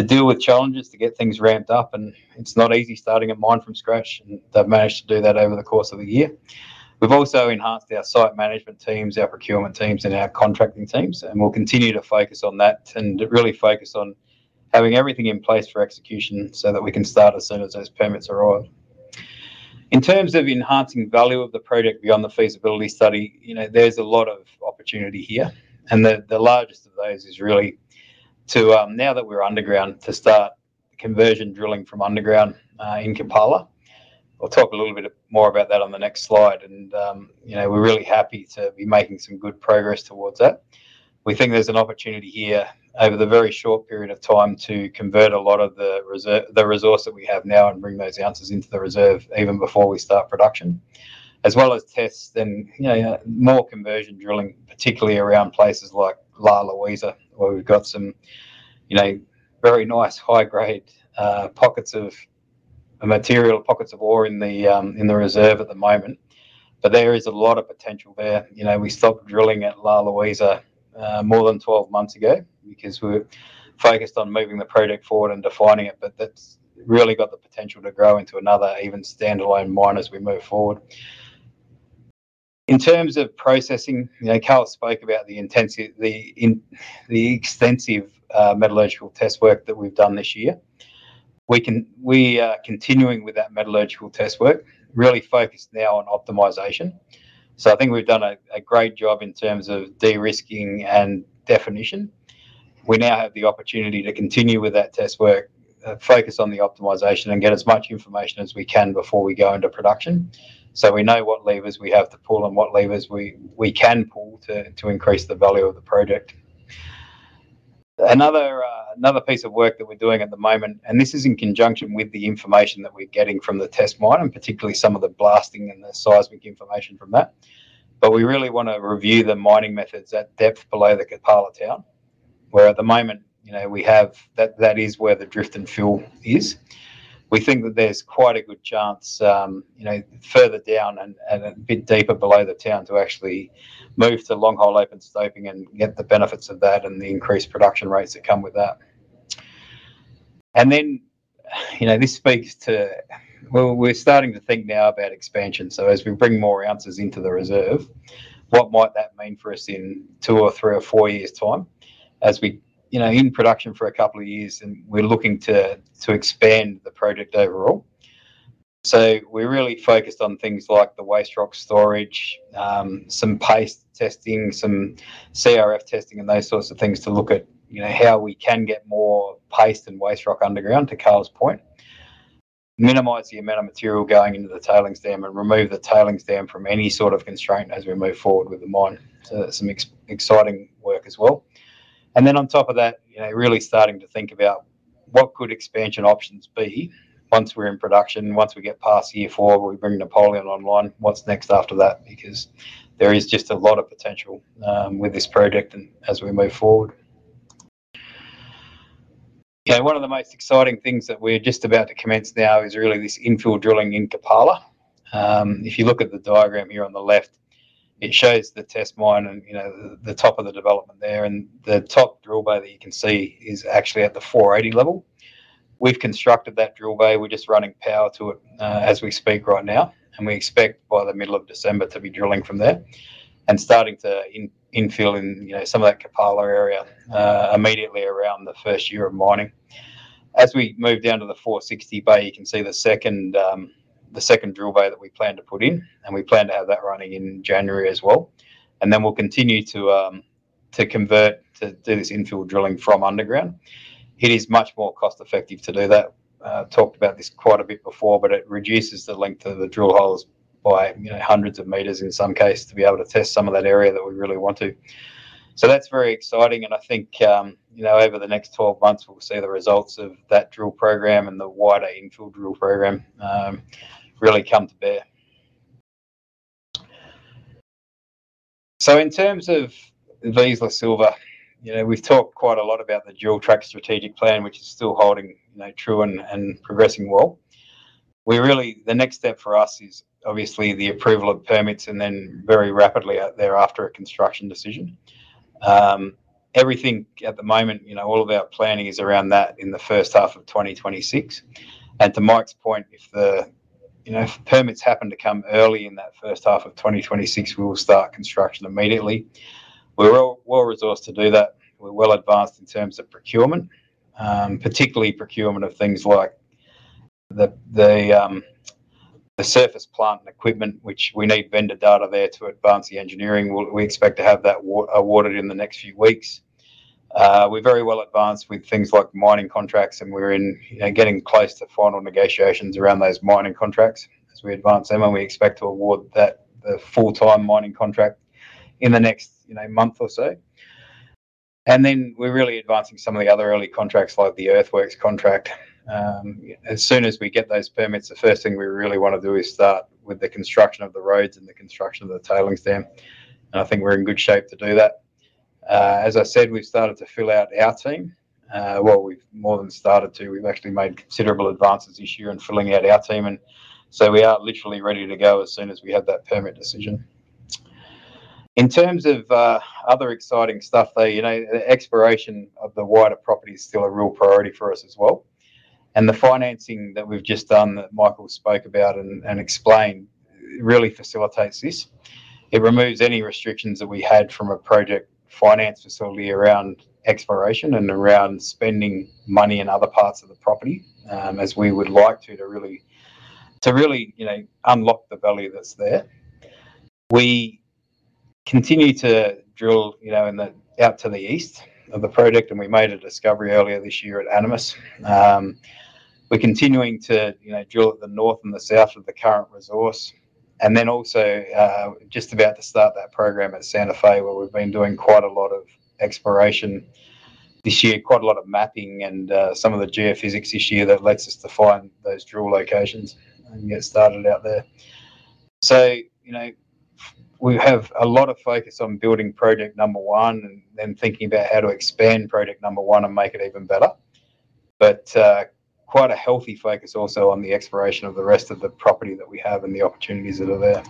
deal with challenges, to get things ramped up. It is not easy starting a mine from scratch, and they have managed to do that over the course of the year. We have also enhanced our site management teams, our procurement teams, and our contracting teams, and we will continue to focus on that and really focus on having everything in place for execution so that we can start as soon as those permits arrive. In terms of enhancing value of the project beyond the feasibility study, there is a lot of opportunity here. The largest of those is really to, now that we are underground, start conversion drilling from underground in Kapala. We will talk a little bit more about that on the next slide. We are really happy to be making some good progress towards that. We think there's an opportunity here over the very short period of time to convert a lot of the resource that we have now and bring those ounces into the reserve even before we start production, as well as tests and more conversion drilling, particularly around places like La Luisa, where we've got some very nice high-grade pockets of material, pockets of ore in the reserve at the moment. There is a lot of potential there. We stopped drilling at La Luisa more than 12 months ago because we're focused on moving the project forward and defining it, but that's really got the potential to grow into another even standalone mine as we move forward. In terms of processing, Karl spoke about the extensive metallurgical test work that we've done this year. We are continuing with that metallurgical test work, really focused now on optimization. I think we've done a great job in terms of de-risking and definition. We now have the opportunity to continue with that test work, focus on the optimization, and get as much information as we can before we go into production. We know what levers we have to pull and what levers we can pull to increase the value of the project. Another piece of work that we're doing at the moment, and this is in conjunction with the information that we're getting from the test mine and particularly some of the blasting and the seismic information from that. We really want to review the mining methods at depth below the Kapala town, where at the moment we have that is where the drift and fill is. We think that there's quite a good chance further down and a bit deeper below the town to actually move to long-hole open stoping and get the benefits of that and the increased production rates that come with that. This speaks to we're starting to think now about expansion. As we bring more ounces into the reserve, what might that mean for us in two or three or four years' time? As we're in production for a couple of years and we're looking to expand the project overall. We're really focused on things like the waste rock storage, some paste testing, some CRF testing, and those sorts of things to look at how we can get more paste and waste rock underground to Karl's point, minimize the amount of material going into the tailings stand and remove the tailings stand from any sort of constraint as we move forward with the mine. That's some exciting work as well. On top of that, really starting to think about what could expansion options be once we're in production, once we get past year four, we bring Napoleon online, what's next after that? Because there is just a lot of potential with this project as we move forward. One of the most exciting things that we're just about to commence now is really this infill drilling in Kapala. If you look at the diagram here on the left, it shows the test mine and the top of the development there. The top drill bay that you can see is actually at the 480 level. We've constructed that drill bay. We're just running power to it as we speak right now. We expect by the middle of December to be drilling from there and starting to infill in some of that Kapala area immediately around the first year of mining. As we move down to the 460 bay, you can see the second drill bay that we plan to put in. We plan to have that running in January as well. We will continue to convert to do this infill drilling from underground. It is much more cost-effective to do that. I've talked about this quite a bit before, but it reduces the length of the drill holes by hundreds of meters in some cases to be able to test some of that area that we really want to. That is very exciting. I think over the next 12 months, we'll see the results of that drill program and the wider infill drill program really come to bear. In terms of Vizsla Royalties, we've talked quite a lot about the dual-track strategic plan, which is still holding true and progressing well. The next step for us is obviously the approval of permits and then very rapidly thereafter a construction decision. Everything at the moment, all of our planning is around that in the first half of 2026. To Mike's point, if permits happen to come early in that first half of 2026, we will start construction immediately. We're well-resourced to do that. We're well-advanced in terms of procurement, particularly procurement of things like the surface plant and equipment, which we need vendor data there to advance the engineering. We expect to have that awarded in the next few weeks. We're very well advanced with things like mining contracts, and we're getting close to final negotiations around those mining contracts. As we advance them, we expect to award the full-time mining contract in the next month or so. We are really advancing some of the other early contracts like the earthworks contract. As soon as we get those permits, the first thing we really want to do is start with the construction of the roads and the construction of the tailings stand. I think we're in good shape to do that. As I said, we've started to fill out our team. We have more than started to. We have actually made considerable advances this year in filling out our team. We are literally ready to go as soon as we have that permit decision. In terms of other exciting stuff, the exploration of the wider property is still a real priority for us as well. The financing that we have just done that Michael spoke about and explained really facilitates this. It removes any restrictions that we had from a project finance facility around exploration and around spending money in other parts of the property as we would like to really unlock the value that is there. We continue to drill out to the east of the project, and we made a discovery earlier this year at Animus. We are continuing to drill at the north and the south of the current resource. We are also just about to start that program at Santa Fe, where we have been doing quite a lot of exploration this year, quite a lot of mapping and some of the geophysics this year that lets us define those drill locations and get started out there. We have a lot of focus on building project number one and then thinking about how to expand project number one and make it even better. There is quite a healthy focus also on the exploration of the rest of the property that we have and the opportunities that are there.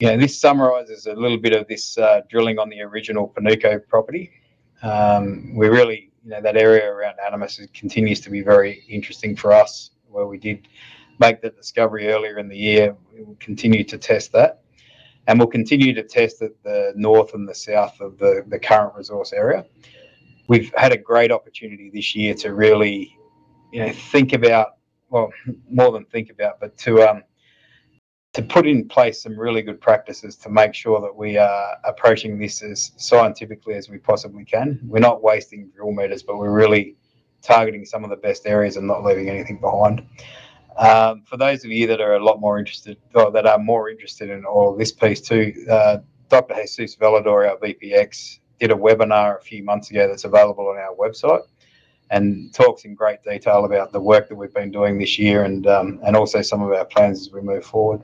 This summarizes a little bit of this drilling on the original Panuco property. That area around Animus continues to be very interesting for us, where we did make the discovery earlier in the year. We will continue to test that. We will continue to test the north and the south of the current resource area. We have had a great opportunity this year to really think about, more than think about, but to put in place some really good practices to make sure that we are approaching this as scientifically as we possibly can. We are not wasting drill meters, but we are really targeting some of the best areas and not leaving anything behind. For those of you that are a lot more interested, that are more interested in all of this piece too, Dr. Jesus Villador, our VPX, did a webinar a few months ago that is available on our website and talks in great detail about the work that we have been doing this year and also some of our plans as we move forward.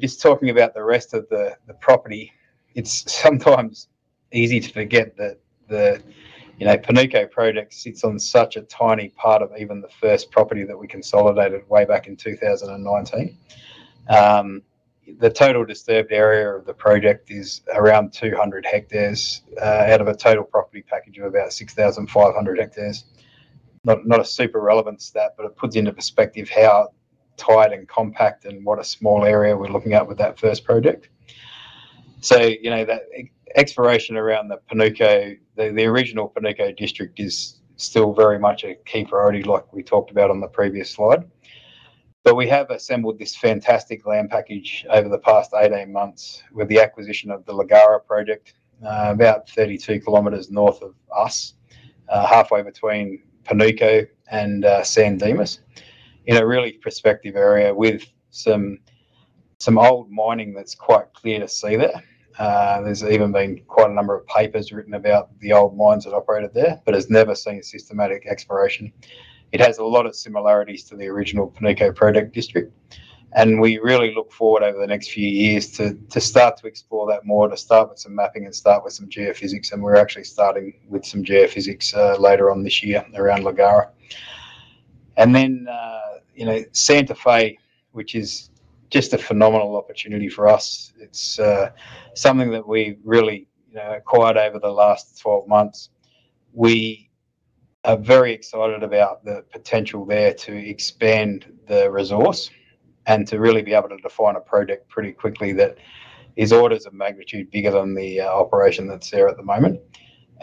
Just talking about the rest of the property, it's sometimes easy to forget that the Panuco project sits on such a tiny part of even the first property that we consolidated way back in 2019. The total disturbed area of the project is around 200 hectares out of a total property package of about 6,500 hectares. Not a super relevant stat, but it puts into perspective how tight and compact and what a small area we're looking at with that first project. The exploration around the original Panuco district is still very much a key priority like we talked about on the previous slide. We have assembled this fantastic land package over the past 18 months with the acquisition of the Lagara project, about 32 km north of us, halfway between Panuco and San Dimas, in a really prospective area with some old mining that's quite clear to see there. There's even been quite a number of papers written about the old mines that operated there, but it's never seen systematic exploration. It has a lot of similarities to the original Panuco project district. We really look forward over the next few years to start to explore that more, to start with some mapping and start with some geophysics. We're actually starting with some geophysics later on this year around Lagara. Santa Fe, which is just a phenomenal opportunity for us, is something that we really acquired over the last 12 months. We are very excited about the potential there to expand the resource and to really be able to define a project pretty quickly that is orders of magnitude bigger than the operation that is there at the moment.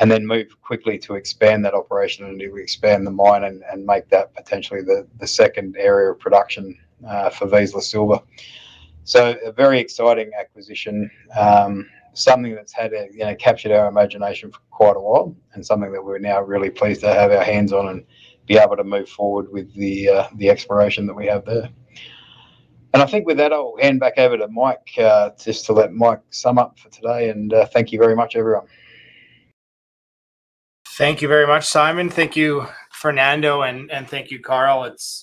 We want to move quickly to expand that operation and expand the mine and make that potentially the second area of production for Vizsla Royalties. A very exciting acquisition, something that has captured our imagination for quite a while and something that we are now really pleased to have our hands on and be able to move forward with the exploration that we have there. I think with that, I will hand back over to Mike just to let Mike sum up for today. Thank you very much, everyone. Thank you very much, Simon. Thank you, Fernando, and thank you, Karl. As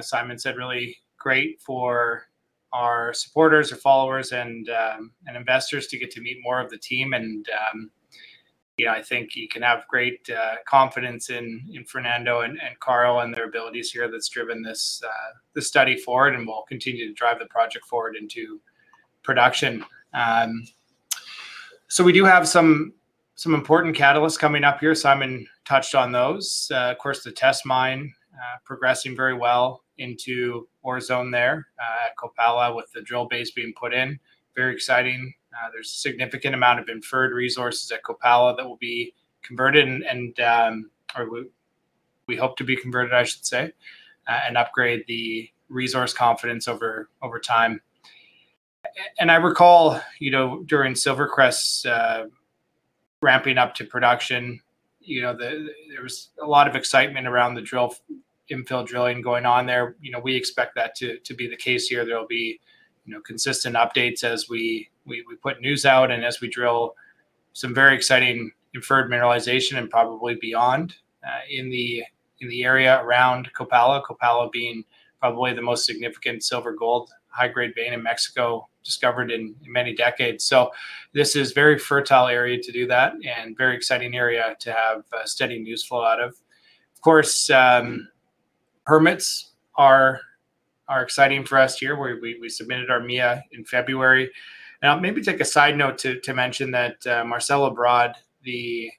Simon said, really great for our supporters, our followers, and investors to get to meet more of the team. I think you can have great confidence in Fernando and Karl and their abilities here that's driven this study forward and will continue to drive the project forward into production. We do have some important catalysts coming up here. Simon touched on those. Of course, the test mine progressing very well into our zone there at Kopala with the drill base being put in. Very exciting. There's a significant amount of inferred resources at Kopala that will be converted and we hope to be converted, I should say, and upgrade the resource confidence over time. I recall during Silvercrest Metals' ramping up to production, there was a lot of excitement around the drill infill drilling going on there. We expect that to be the case here. There will be consistent updates as we put news out and as we drill some very exciting inferred mineralization and probably beyond in the area around Copala, Copala being probably the most significant silver-gold high-grade vein in Mexico discovered in many decades. This is a very fertile area to do that and a very exciting area to have steady news flow out of. Of course, permits are exciting for us here. We submitted our MIA in February. Now, maybe take a side note to mention that Marcelo Ebrard, the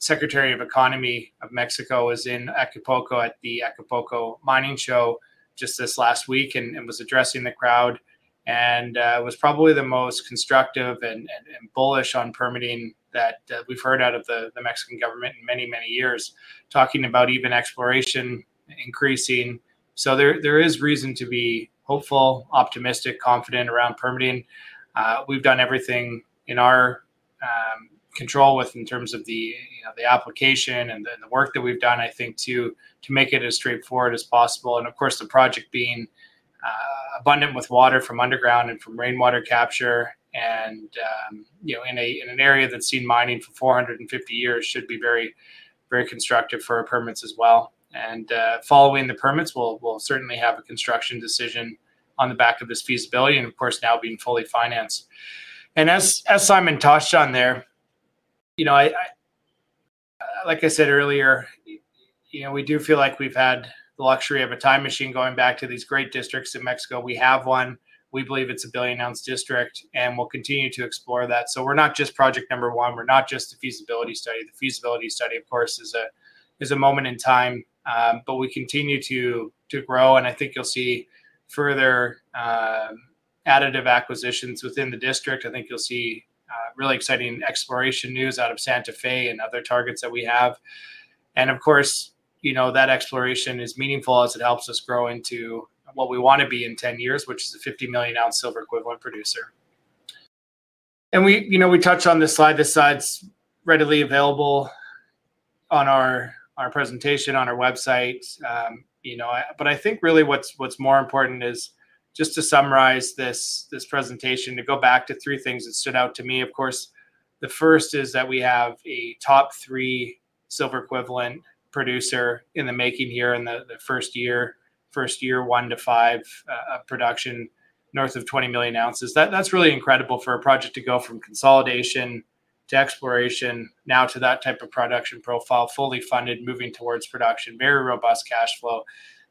Secretary of Economy of Mexico, was in Acapulco at the Acapulco Mining Show just this last week and was addressing the crowd. It was probably the most constructive and bullish on permitting that we've heard out of the Mexican government in many, many years, talking about even exploration increasing. There is reason to be hopeful, optimistic, confident around permitting. We've done everything in our control in terms of the application and the work that we've done, I think, to make it as straightforward as possible. Of course, the project being abundant with water from underground and from rainwater capture and in an area that's seen mining for 450 years should be very constructive for our permits as well. Following the permits, we'll certainly have a construction decision on the back of this feasibility and, of course, now being fully financed. As Simon touched on there, like I said earlier, we do feel like we've had the luxury of a time machine going back to these great districts in Mexico. We have one. We believe it's a billion-ounce district, and we'll continue to explore that. We're not just project number one. We're not just a feasibility study. The feasibility study, of course, is a moment in time, but we continue to grow. I think you'll see further additive acquisitions within the district. I think you'll see really exciting exploration news out of Santa Fe and other targets that we have. Of course, that exploration is meaningful as it helps us grow into what we want to be in 10 years, which is a 50 million-ounce silver equivalent producer. We touched on this slide. This slide's readily available on our presentation on our website. I think really what's more important is just to summarize this presentation, to go back to three things that stood out to me. Of course, the first is that we have a top three silver equivalent producer in the making here in the first year, first year one to five production north of 20 million ounces. That's really incredible for a project to go from consolidation to exploration, now to that type of production profile, fully funded, moving towards production, very robust cash flow.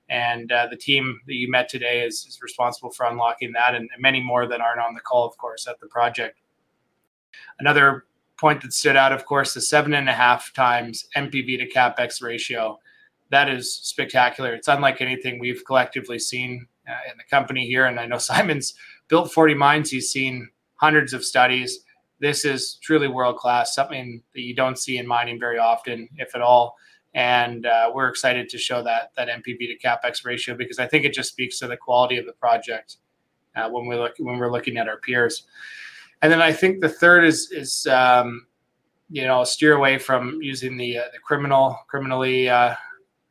The team that you met today is responsible for unlocking that and many more that aren't on the call, of course, at the project. Another point that stood out, of course, is seven and a half times NPV to CapEx ratio. That is spectacular. It's unlike anything we've collectively seen in the company here. I know Simon's built 40 mines. He's seen hundreds of studies. This is truly world-class, something that you don't see in mining very often, if at all. We're excited to show that MPV to CapEx ratio because I think it just speaks to the quality of the project when we're looking at our peers. I think the third is steer away from using the criminally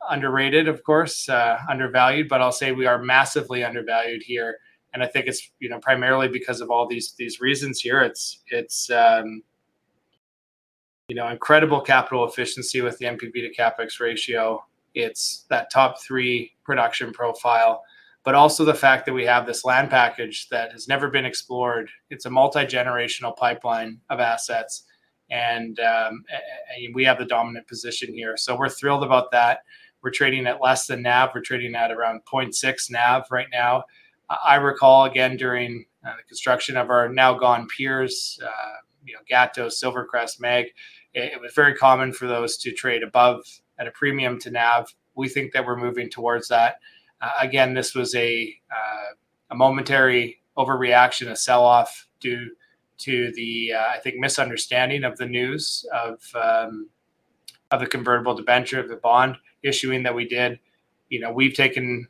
underrated, of course, undervalued, but I'll say we are massively undervalued here. I think it's primarily because of all these reasons here. It's incredible capital efficiency with the MPV to CapEx ratio. It's that top three production profile, but also the fact that we have this land package that has never been explored. It's a multi-generational pipeline of assets, and we have the dominant position here. We're thrilled about that. We're trading at less than NAV. We're trading at around 0.6 NAV right now. I recall, again, during the construction of our now-gone peers, Gatto, Silvercrest, MAG, it was very common for those to trade above at a premium to NAV. We think that we're moving towards that. Again, this was a momentary overreaction, a sell-off due to the, I think, misunderstanding of the news of the convertible debenture, the bond issuing that we did. We've taken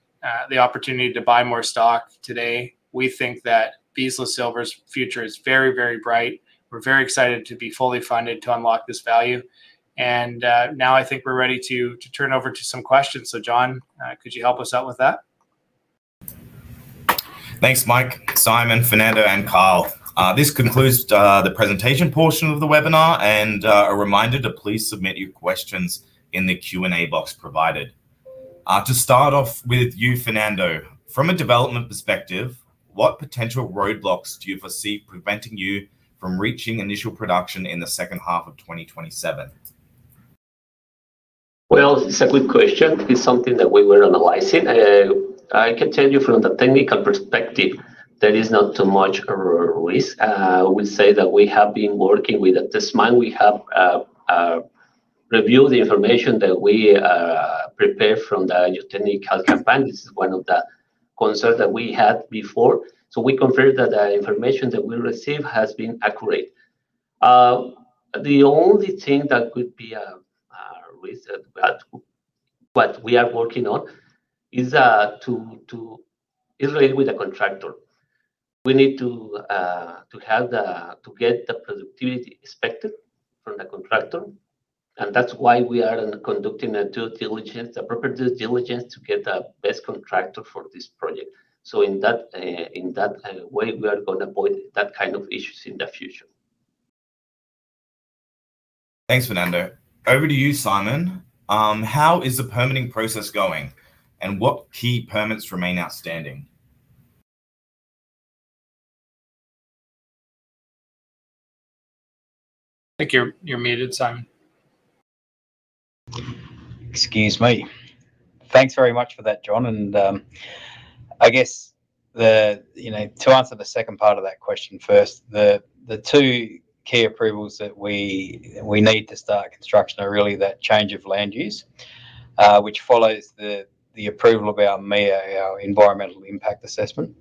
the opportunity to buy more stock today. We think that Vizsla Royalties' future is very, very bright. We're very excited to be fully funded to unlock this value. Now I think we're ready to turn over to some questions. John, could you help us out with that? Thanks, Mike, Simon, Fernando, and Karl. This concludes the presentation portion of the webinar, and a reminder to please submit your questions in the Q&A box provided. To start off with you, Fernando, from a development perspective, what potential roadblocks do you foresee preventing you from reaching initial production in the second half of 2027? It is a good question. It is something that we were analyzing. I can tell you from the technical perspective, there is not too much risk. We say that we have been working with a test mine. We have reviewed the information that we prepared from the new technical campaign. This is one of the concerns that we had before. We confirm that the information that we received has been accurate. The only thing that could be a risk that we are working on is related with the contractor. We need to get the productivity expected from the contractor. That is why we are conducting the proper due diligence to get the best contractor for this project. In that way, we are going to avoid that kind of issues in the future. Thanks, Fernando. Over to you, Simon. How is the permitting process going, and what key permits remain outstanding? I think you're muted, Simon. Excuse me. Thanks very much for that, John. I guess to answer the second part of that question first, the two key approvals that we need to start construction are really that change of land use, which follows the approval of our MIA, our environmental impact assessment.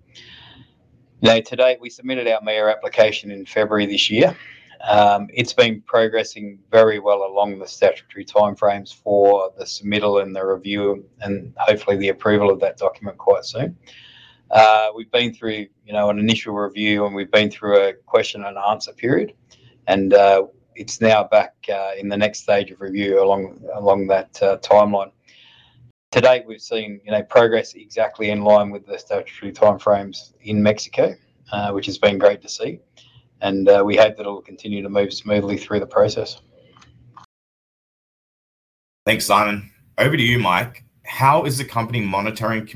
Today, we submitted our MIA application in February this year. It's been progressing very well along the statutory timeframes for the submittal and the review and hopefully the approval of that document quite soon. We've been through an initial review, and we've been through a question and answer period. It's now back in the next stage of review along that timeline. Today, we've seen progress exactly in line with the statutory timeframes in Mexico, which has been great to see. We hope that it will continue to move smoothly through the process. Thanks, Simon. Over to you, Mike. How is the company monitoring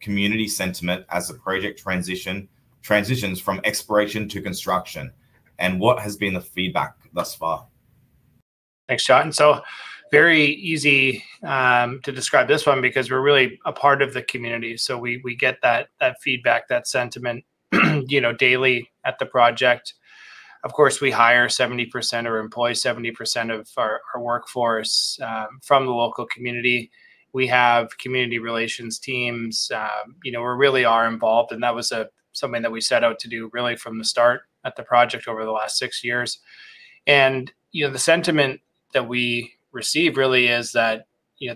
community sentiment as the project transitions from exploration to construction, and what has been the feedback thus far? Thanks, John. Very easy to describe this one because we're really a part of the community. We get that feedback, that sentiment daily at the project. Of course, we hire 70% or employ 70% of our workforce from the local community. We have community relations teams. We really are involved. That was something that we set out to do really from the start at the project over the last six years. The sentiment that we receive really is that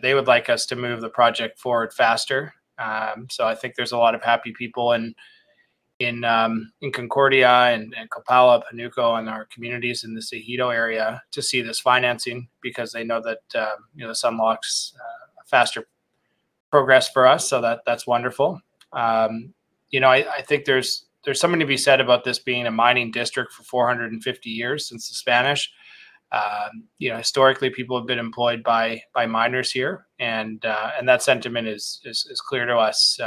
they would like us to move the project forward faster. I think there are a lot of happy people in Concordia and Panuco, and our communities in the Sajito area to see this financing because they know that this unlocks faster progress for us. That is wonderful. I think there is something to be said about this being a mining district for 450 years since the Spanish. Historically, people have been employed by miners here. That sentiment is clear to us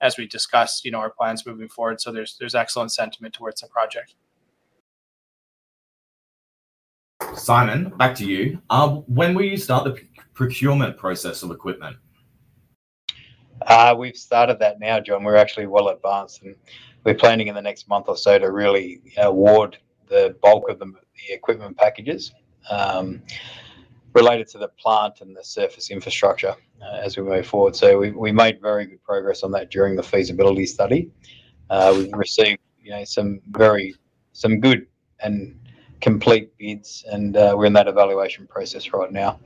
as we discuss our plans moving forward. There is excellent sentiment towards the project. Simon, back to you. When will you start the procurement process of equipment? We have started that now, John. We are actually well advanced. We are planning in the next month or so to really award the bulk of the equipment packages related to the plant and the surface infrastructure as we move forward. We made very good progress on that during the feasibility study. We have received some good and complete bids, and we are in that evaluation process right now.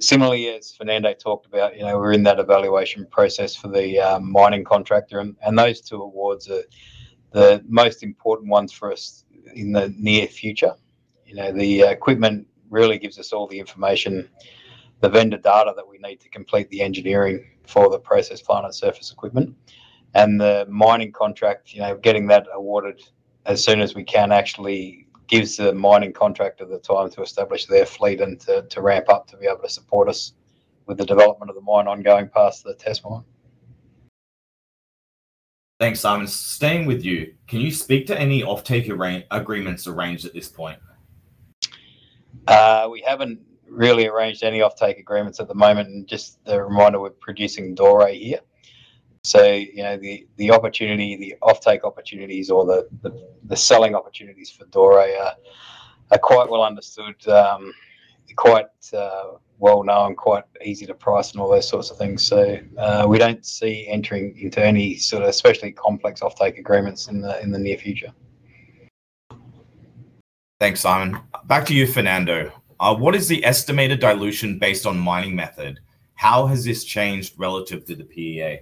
Similarly, as Fernando talked about, we are in that evaluation process for the mining contractor. Those two awards are the most important ones for us in the near future. The equipment really gives us all the information, the vendor data that we need to complete the engineering for the process plant and surface equipment. The mining contract, getting that awarded as soon as we can actually gives the mining contractor the time to establish their fleet and to ramp up to be able to support us with the development of the mine ongoing past the test mine. Thanks, Simon. Staying with you, can you speak to any off-take agreements arranged at this point? We haven't really arranged any off-take agreements at the moment. Just the reminder, we're producing DORA here. The off-take opportunities or the selling opportunities for DORA are quite well understood, quite well known, quite easy to price, and all those sorts of things. We don't see entering into any sort of especially complex off-take agreements in the near future. Thanks, Simon. Back to you, Fernando. What is the estimated dilution based on mining method? How has this changed relative to the PEA?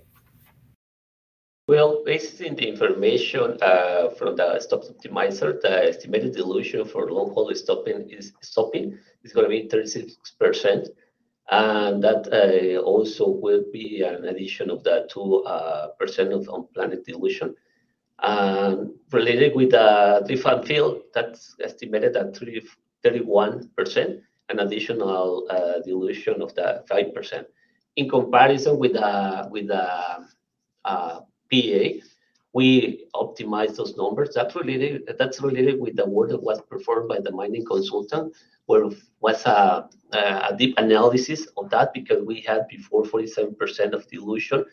Based on the information from the stopes optimizer, the estimated dilution for local stoping is going to be 36%. That also will be an addition of that 2% of unplanned dilution. Related with the refilled, that's estimated at 31%, an additional dilution of that 5%. In comparison with the PEA, we optimized those numbers. That's related with the work that was performed by the mining consultant, where it was a deep analysis of that because we had before 47% of dilution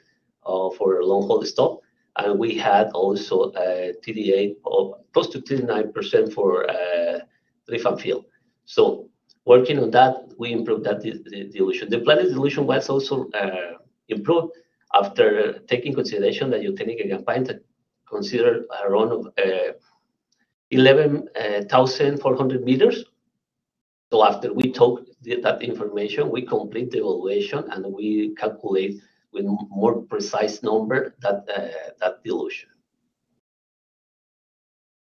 for a long-hole stope. We had also close to 39% for refilled. Working on that, we improved that dilution. The planned dilution was also improved after taking consideration that your technical campaign considered around 11,400 meters. After we took that information, we complete the evaluation, and we calculate with more precise number that dilution.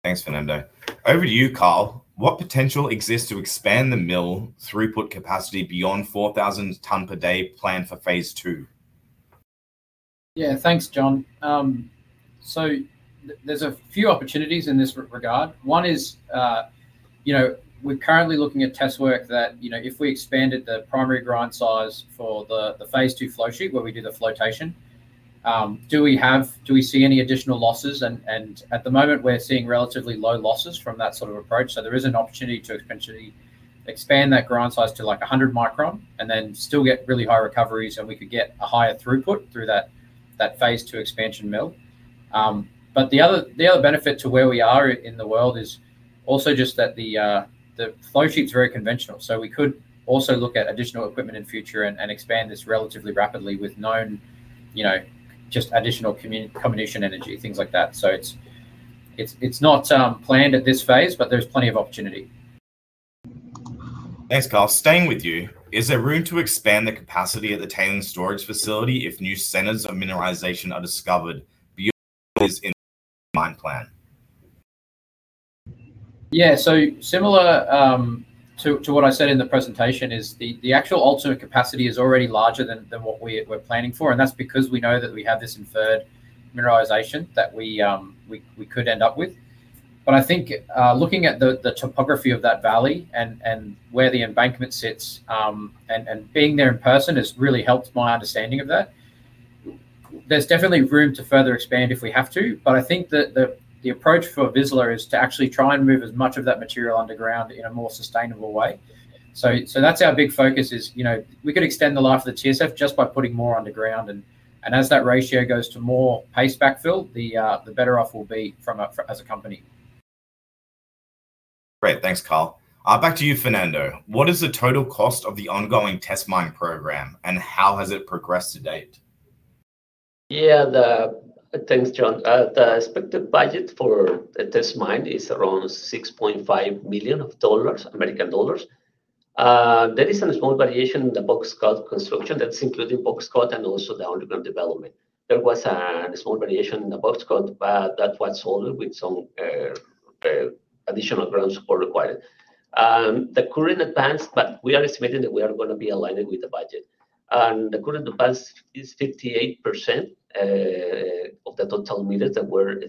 Thanks, Fernando. Over to you, Karl. What potential exists to expand the mill throughput capacity beyond 4,000 ton per day planned for phase two? Yeah, thanks, John. There are a few opportunities in this regard. One is we're currently looking at test work that if we expanded the primary grind size for the phase two flow sheet where we do the flotation, do we see any additional losses? At the moment, we're seeing relatively low losses from that sort of approach. There is an opportunity to expand that grind size to like 100 micron and then still get really high recoveries, and we could get a higher throughput through that phase two expansion mill. The other benefit to where we are in the world is also just that the flow sheet is very conventional. We could also look at additional equipment in the future and expand this relatively rapidly with known just additional combination energy, things like that. It is not planned at this phase, but there is plenty of opportunity. Thanks, Karl. Staying with you, is there room to expand the capacity at the tailings storage facility if new centers of mineralization are discovered? Yeah. Similar to what I said in the presentation, the actual ultimate capacity is already larger than what we are planning for. That is because we know that we have this inferred mineralization that we could end up with. I think looking at the topography of that valley and where the embankment sits and being there in person has really helped my understanding of that. There is definitely room to further expand if we have to. I think the approach for Vizsla is to actually try and move as much of that material underground in a more sustainable way. That is our big focus, as we could extend the life of the TSF just by putting more underground. As that ratio goes to more paste backfill, the better off we will be as a company. Great. Thanks, Karl. Back to you, Fernando. What is the total cost of the ongoing test mine program, and how has it progressed to date? Yeah, thanks, John. The expected budget for the test mine is around $6.5 million. There is a small variation in the box cut construction. That is including box cut and also the underground development. There was a small variation in the box cut, but that was solved with some additional ground support required. The current advance, but we are estimating that we are going to be aligned with the budget. The current advance is 58% of the total meters that we're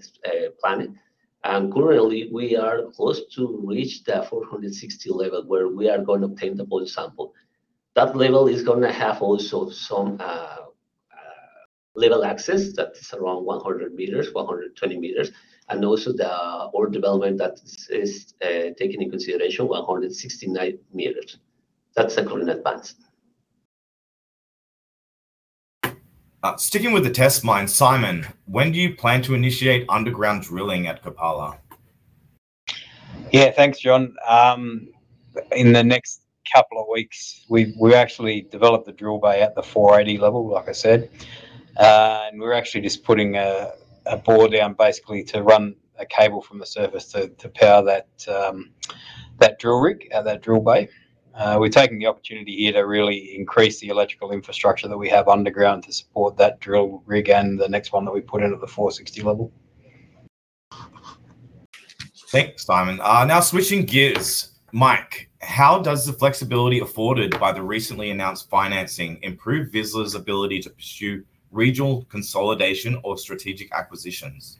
planning. Currently, we are close to reach the 460 level where we are going to obtain the ball sample. That level is going to have also some level access that is around 100 meters, 120 meters. Also, the old development that is taken into consideration, 169 meters. That's the current advance. Sticking with the test mine, Simon, when do you plan to initiate underground drilling at Kapala? Yeah, thanks, John. In the next couple of weeks, we actually developed the drill bay at the 480 level, like I said. We're actually just putting a bore down basically to run a cable from the surface to power that drill rig, that drill bay. We're taking the opportunity here to really increase the electrical infrastructure that we have underground to support that drill rig and the next one that we put in at the 460 level. Thanks, Simon. Now switching gears, Mike, how does the flexibility afforded by the recently announced financing improve Vizsla Royalties' ability to pursue regional consolidation or strategic acquisitions?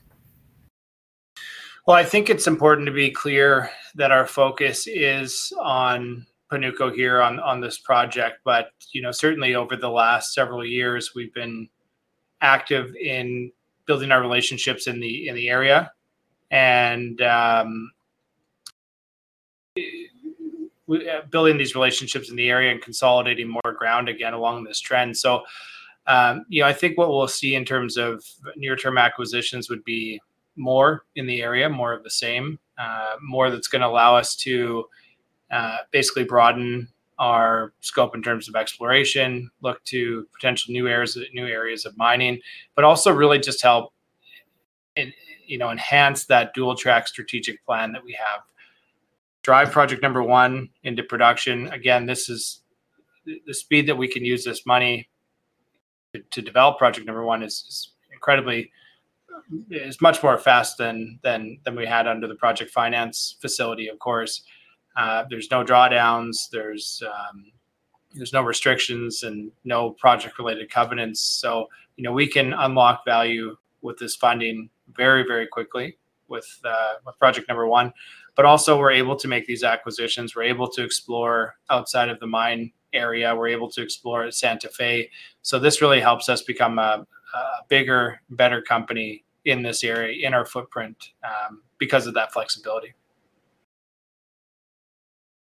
I think it's important to be clear that our focus is on Panuco here on this project. Certainly, over the last several years, we've been active in building our relationships in the area and building these relationships in the area and consolidating more ground again along this trend. I think what we'll see in terms of near-term acquisitions would be more in the area, more of the same, more that's going to allow us to basically broaden our scope in terms of exploration, look to potential new areas of mining, but also really just help enhance that dual-track strategic plan that we have, drive project number one into production. Again, the speed that we can use this money to develop project number one is much more fast than we had under the project finance facility, of course. There's no drawdowns. There's no restrictions and no project-related covenants. We can unlock value with this funding very, very quickly with project number one. Also, we're able to make these acquisitions. We're able to explore outside of the mine area. We're able to explore Santa Fe. This really helps us become a bigger, better company in this area in our footprint because of that flexibility.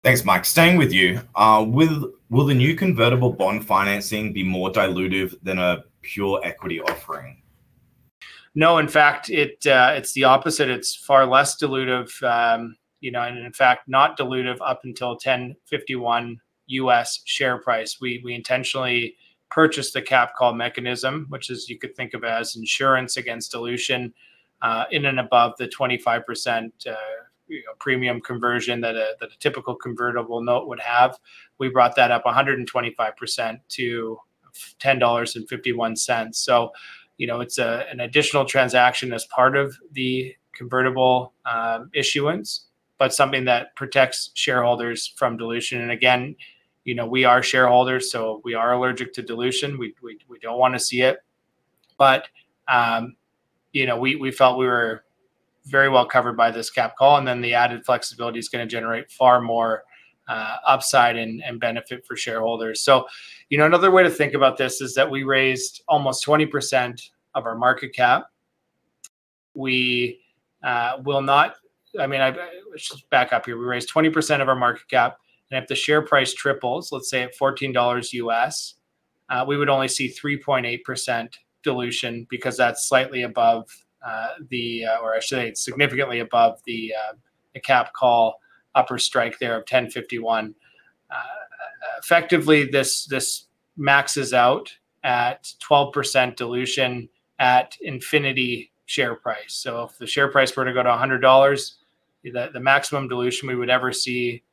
Thanks, Mike. Staying with you, will the new convertible bond financing be more dilutive than a pure equity offering? No, in fact, it's the opposite. It's far less dilutive. In fact, not dilutive up until $10.51 US share price. We intentionally purchased the Cap Call mechanism, which you could think of as insurance against dilution in and above the 25% premium conversion that a typical convertible note would have. We brought that up 125% to $10.51. It's an additional transaction as part of the convertible issuance, but something that protects shareholders from dilution. Again, we are shareholders, so we are allergic to dilution. We don't want to see it. We felt we were very well covered by this Cap Call. The added flexibility is going to generate far more upside and benefit for shareholders. Another way to think about this is that we raised almost 20% of our market cap. I mean, let's just back up here. We raised 20% of our market cap. If the share price triples, let's say at $14 US, we would only see 3.8% dilution because that's slightly above the, or I should say, significantly above the Cap Call upper strike there of 10.51. Effectively, this maxes out at 12% dilution at infinity share price. If the share price were to go to $100, the maximum dilution we would ever see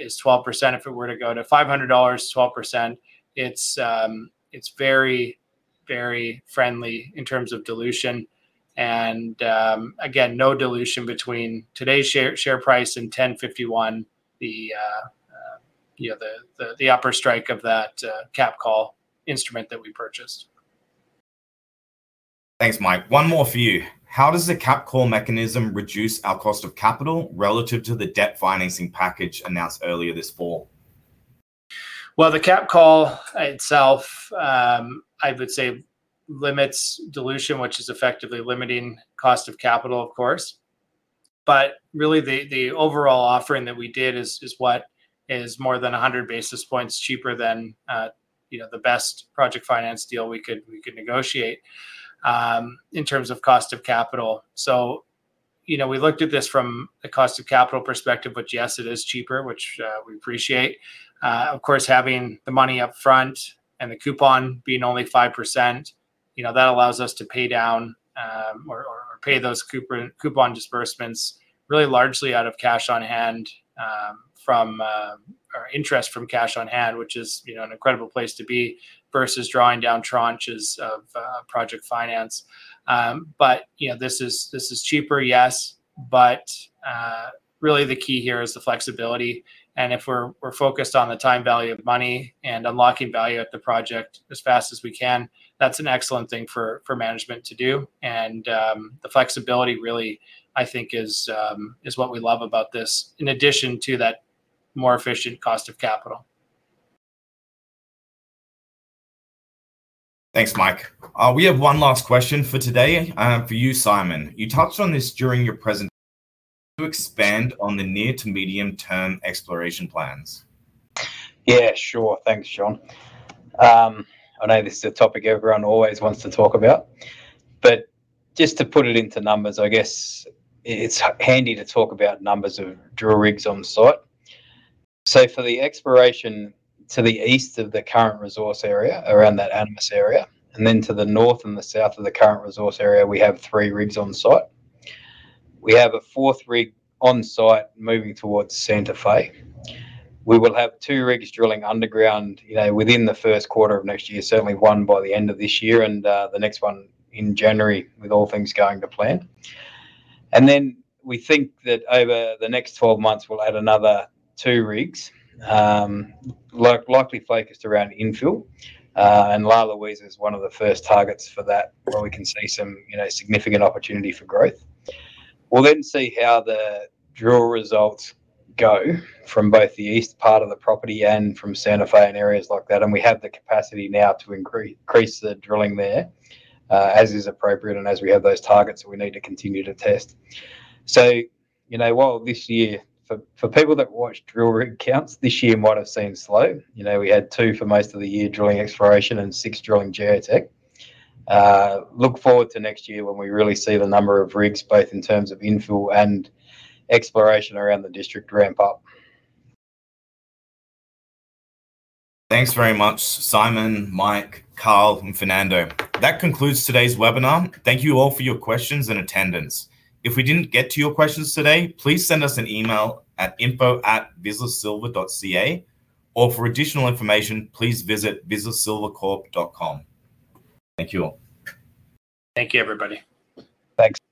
is 12%. If it were to go to $500, 12%. It's very, very friendly in terms of dilution. Again, no dilution between today's share price and 10.51, the upper strike of that Cap Call instrument that we purchased. Thanks, Mike. One more for you. How does the Cap Call mechanism reduce our cost of capital relative to the debt financing package announced earlier this fall? The Cap Call itself, I would say, limits dilution, which is effectively limiting cost of capital, of course. Really, the overall offering that we did is what is more than 100 basis points cheaper than the best project finance deal we could negotiate in terms of cost of capital. We looked at this from a cost of capital perspective, which yes, it is cheaper, which we appreciate. Of course, having the money upfront and the coupon being only 5%, that allows us to pay down or pay those coupon disbursements really largely out of cash on hand from our interest from cash on hand, which is an incredible place to be versus drawing down tranches of project finance. This is cheaper, yes. Really, the key here is the flexibility. If we're focused on the time value of money and unlocking value at the project as fast as we can, that's an excellent thing for management to do. The flexibility really, I think, is what we love about this in addition to that more efficient cost of capital. Thanks, Mike. We have one last question for today for you, Simon. You touched on this during your presentation to expand on the near to medium-term exploration plans. Yeah, sure. Thanks, John. I know this is a topic everyone always wants to talk about. Just to put it into numbers, I guess it's handy to talk about numbers of drill rigs on site. For the exploration to the east of the current resource area around that Animus area, and then to the north and the south of the current resource area, we have three rigs on site. We have a fourth rig on site moving towards Santa Fe. We will have two rigs drilling underground within the first quarter of next year, certainly one by the end of this year and the next one in January with all things going to plan. We think that over the next 12 months, we'll add another two rigs, likely focused around infill. La Luisa is one of the first targets for that where we can see some significant opportunity for growth. We'll then see how the drill results go from both the east part of the property and from Santa Fe and areas like that. We have the capacity now to increase the drilling there as is appropriate and as we have those targets that we need to continue to test. While this year, for people that watch drill rig counts, this year might have seemed slow. We had two for most of the year drilling exploration and six drilling geotech. Look forward to next year when we really see the number of rigs both in terms of infill and exploration around the district ramp up. Thanks very much, Simon, Mike, Karl, and Fernando. That concludes today's webinar. Thank you all for your questions and attendance. If we did not get to your questions today, please send us an email at info@vizslaroyalties.ca. For additional information, please visit vizslaroyalties.com. Thank you all. Thank you, everybody. Thanks. Thanks.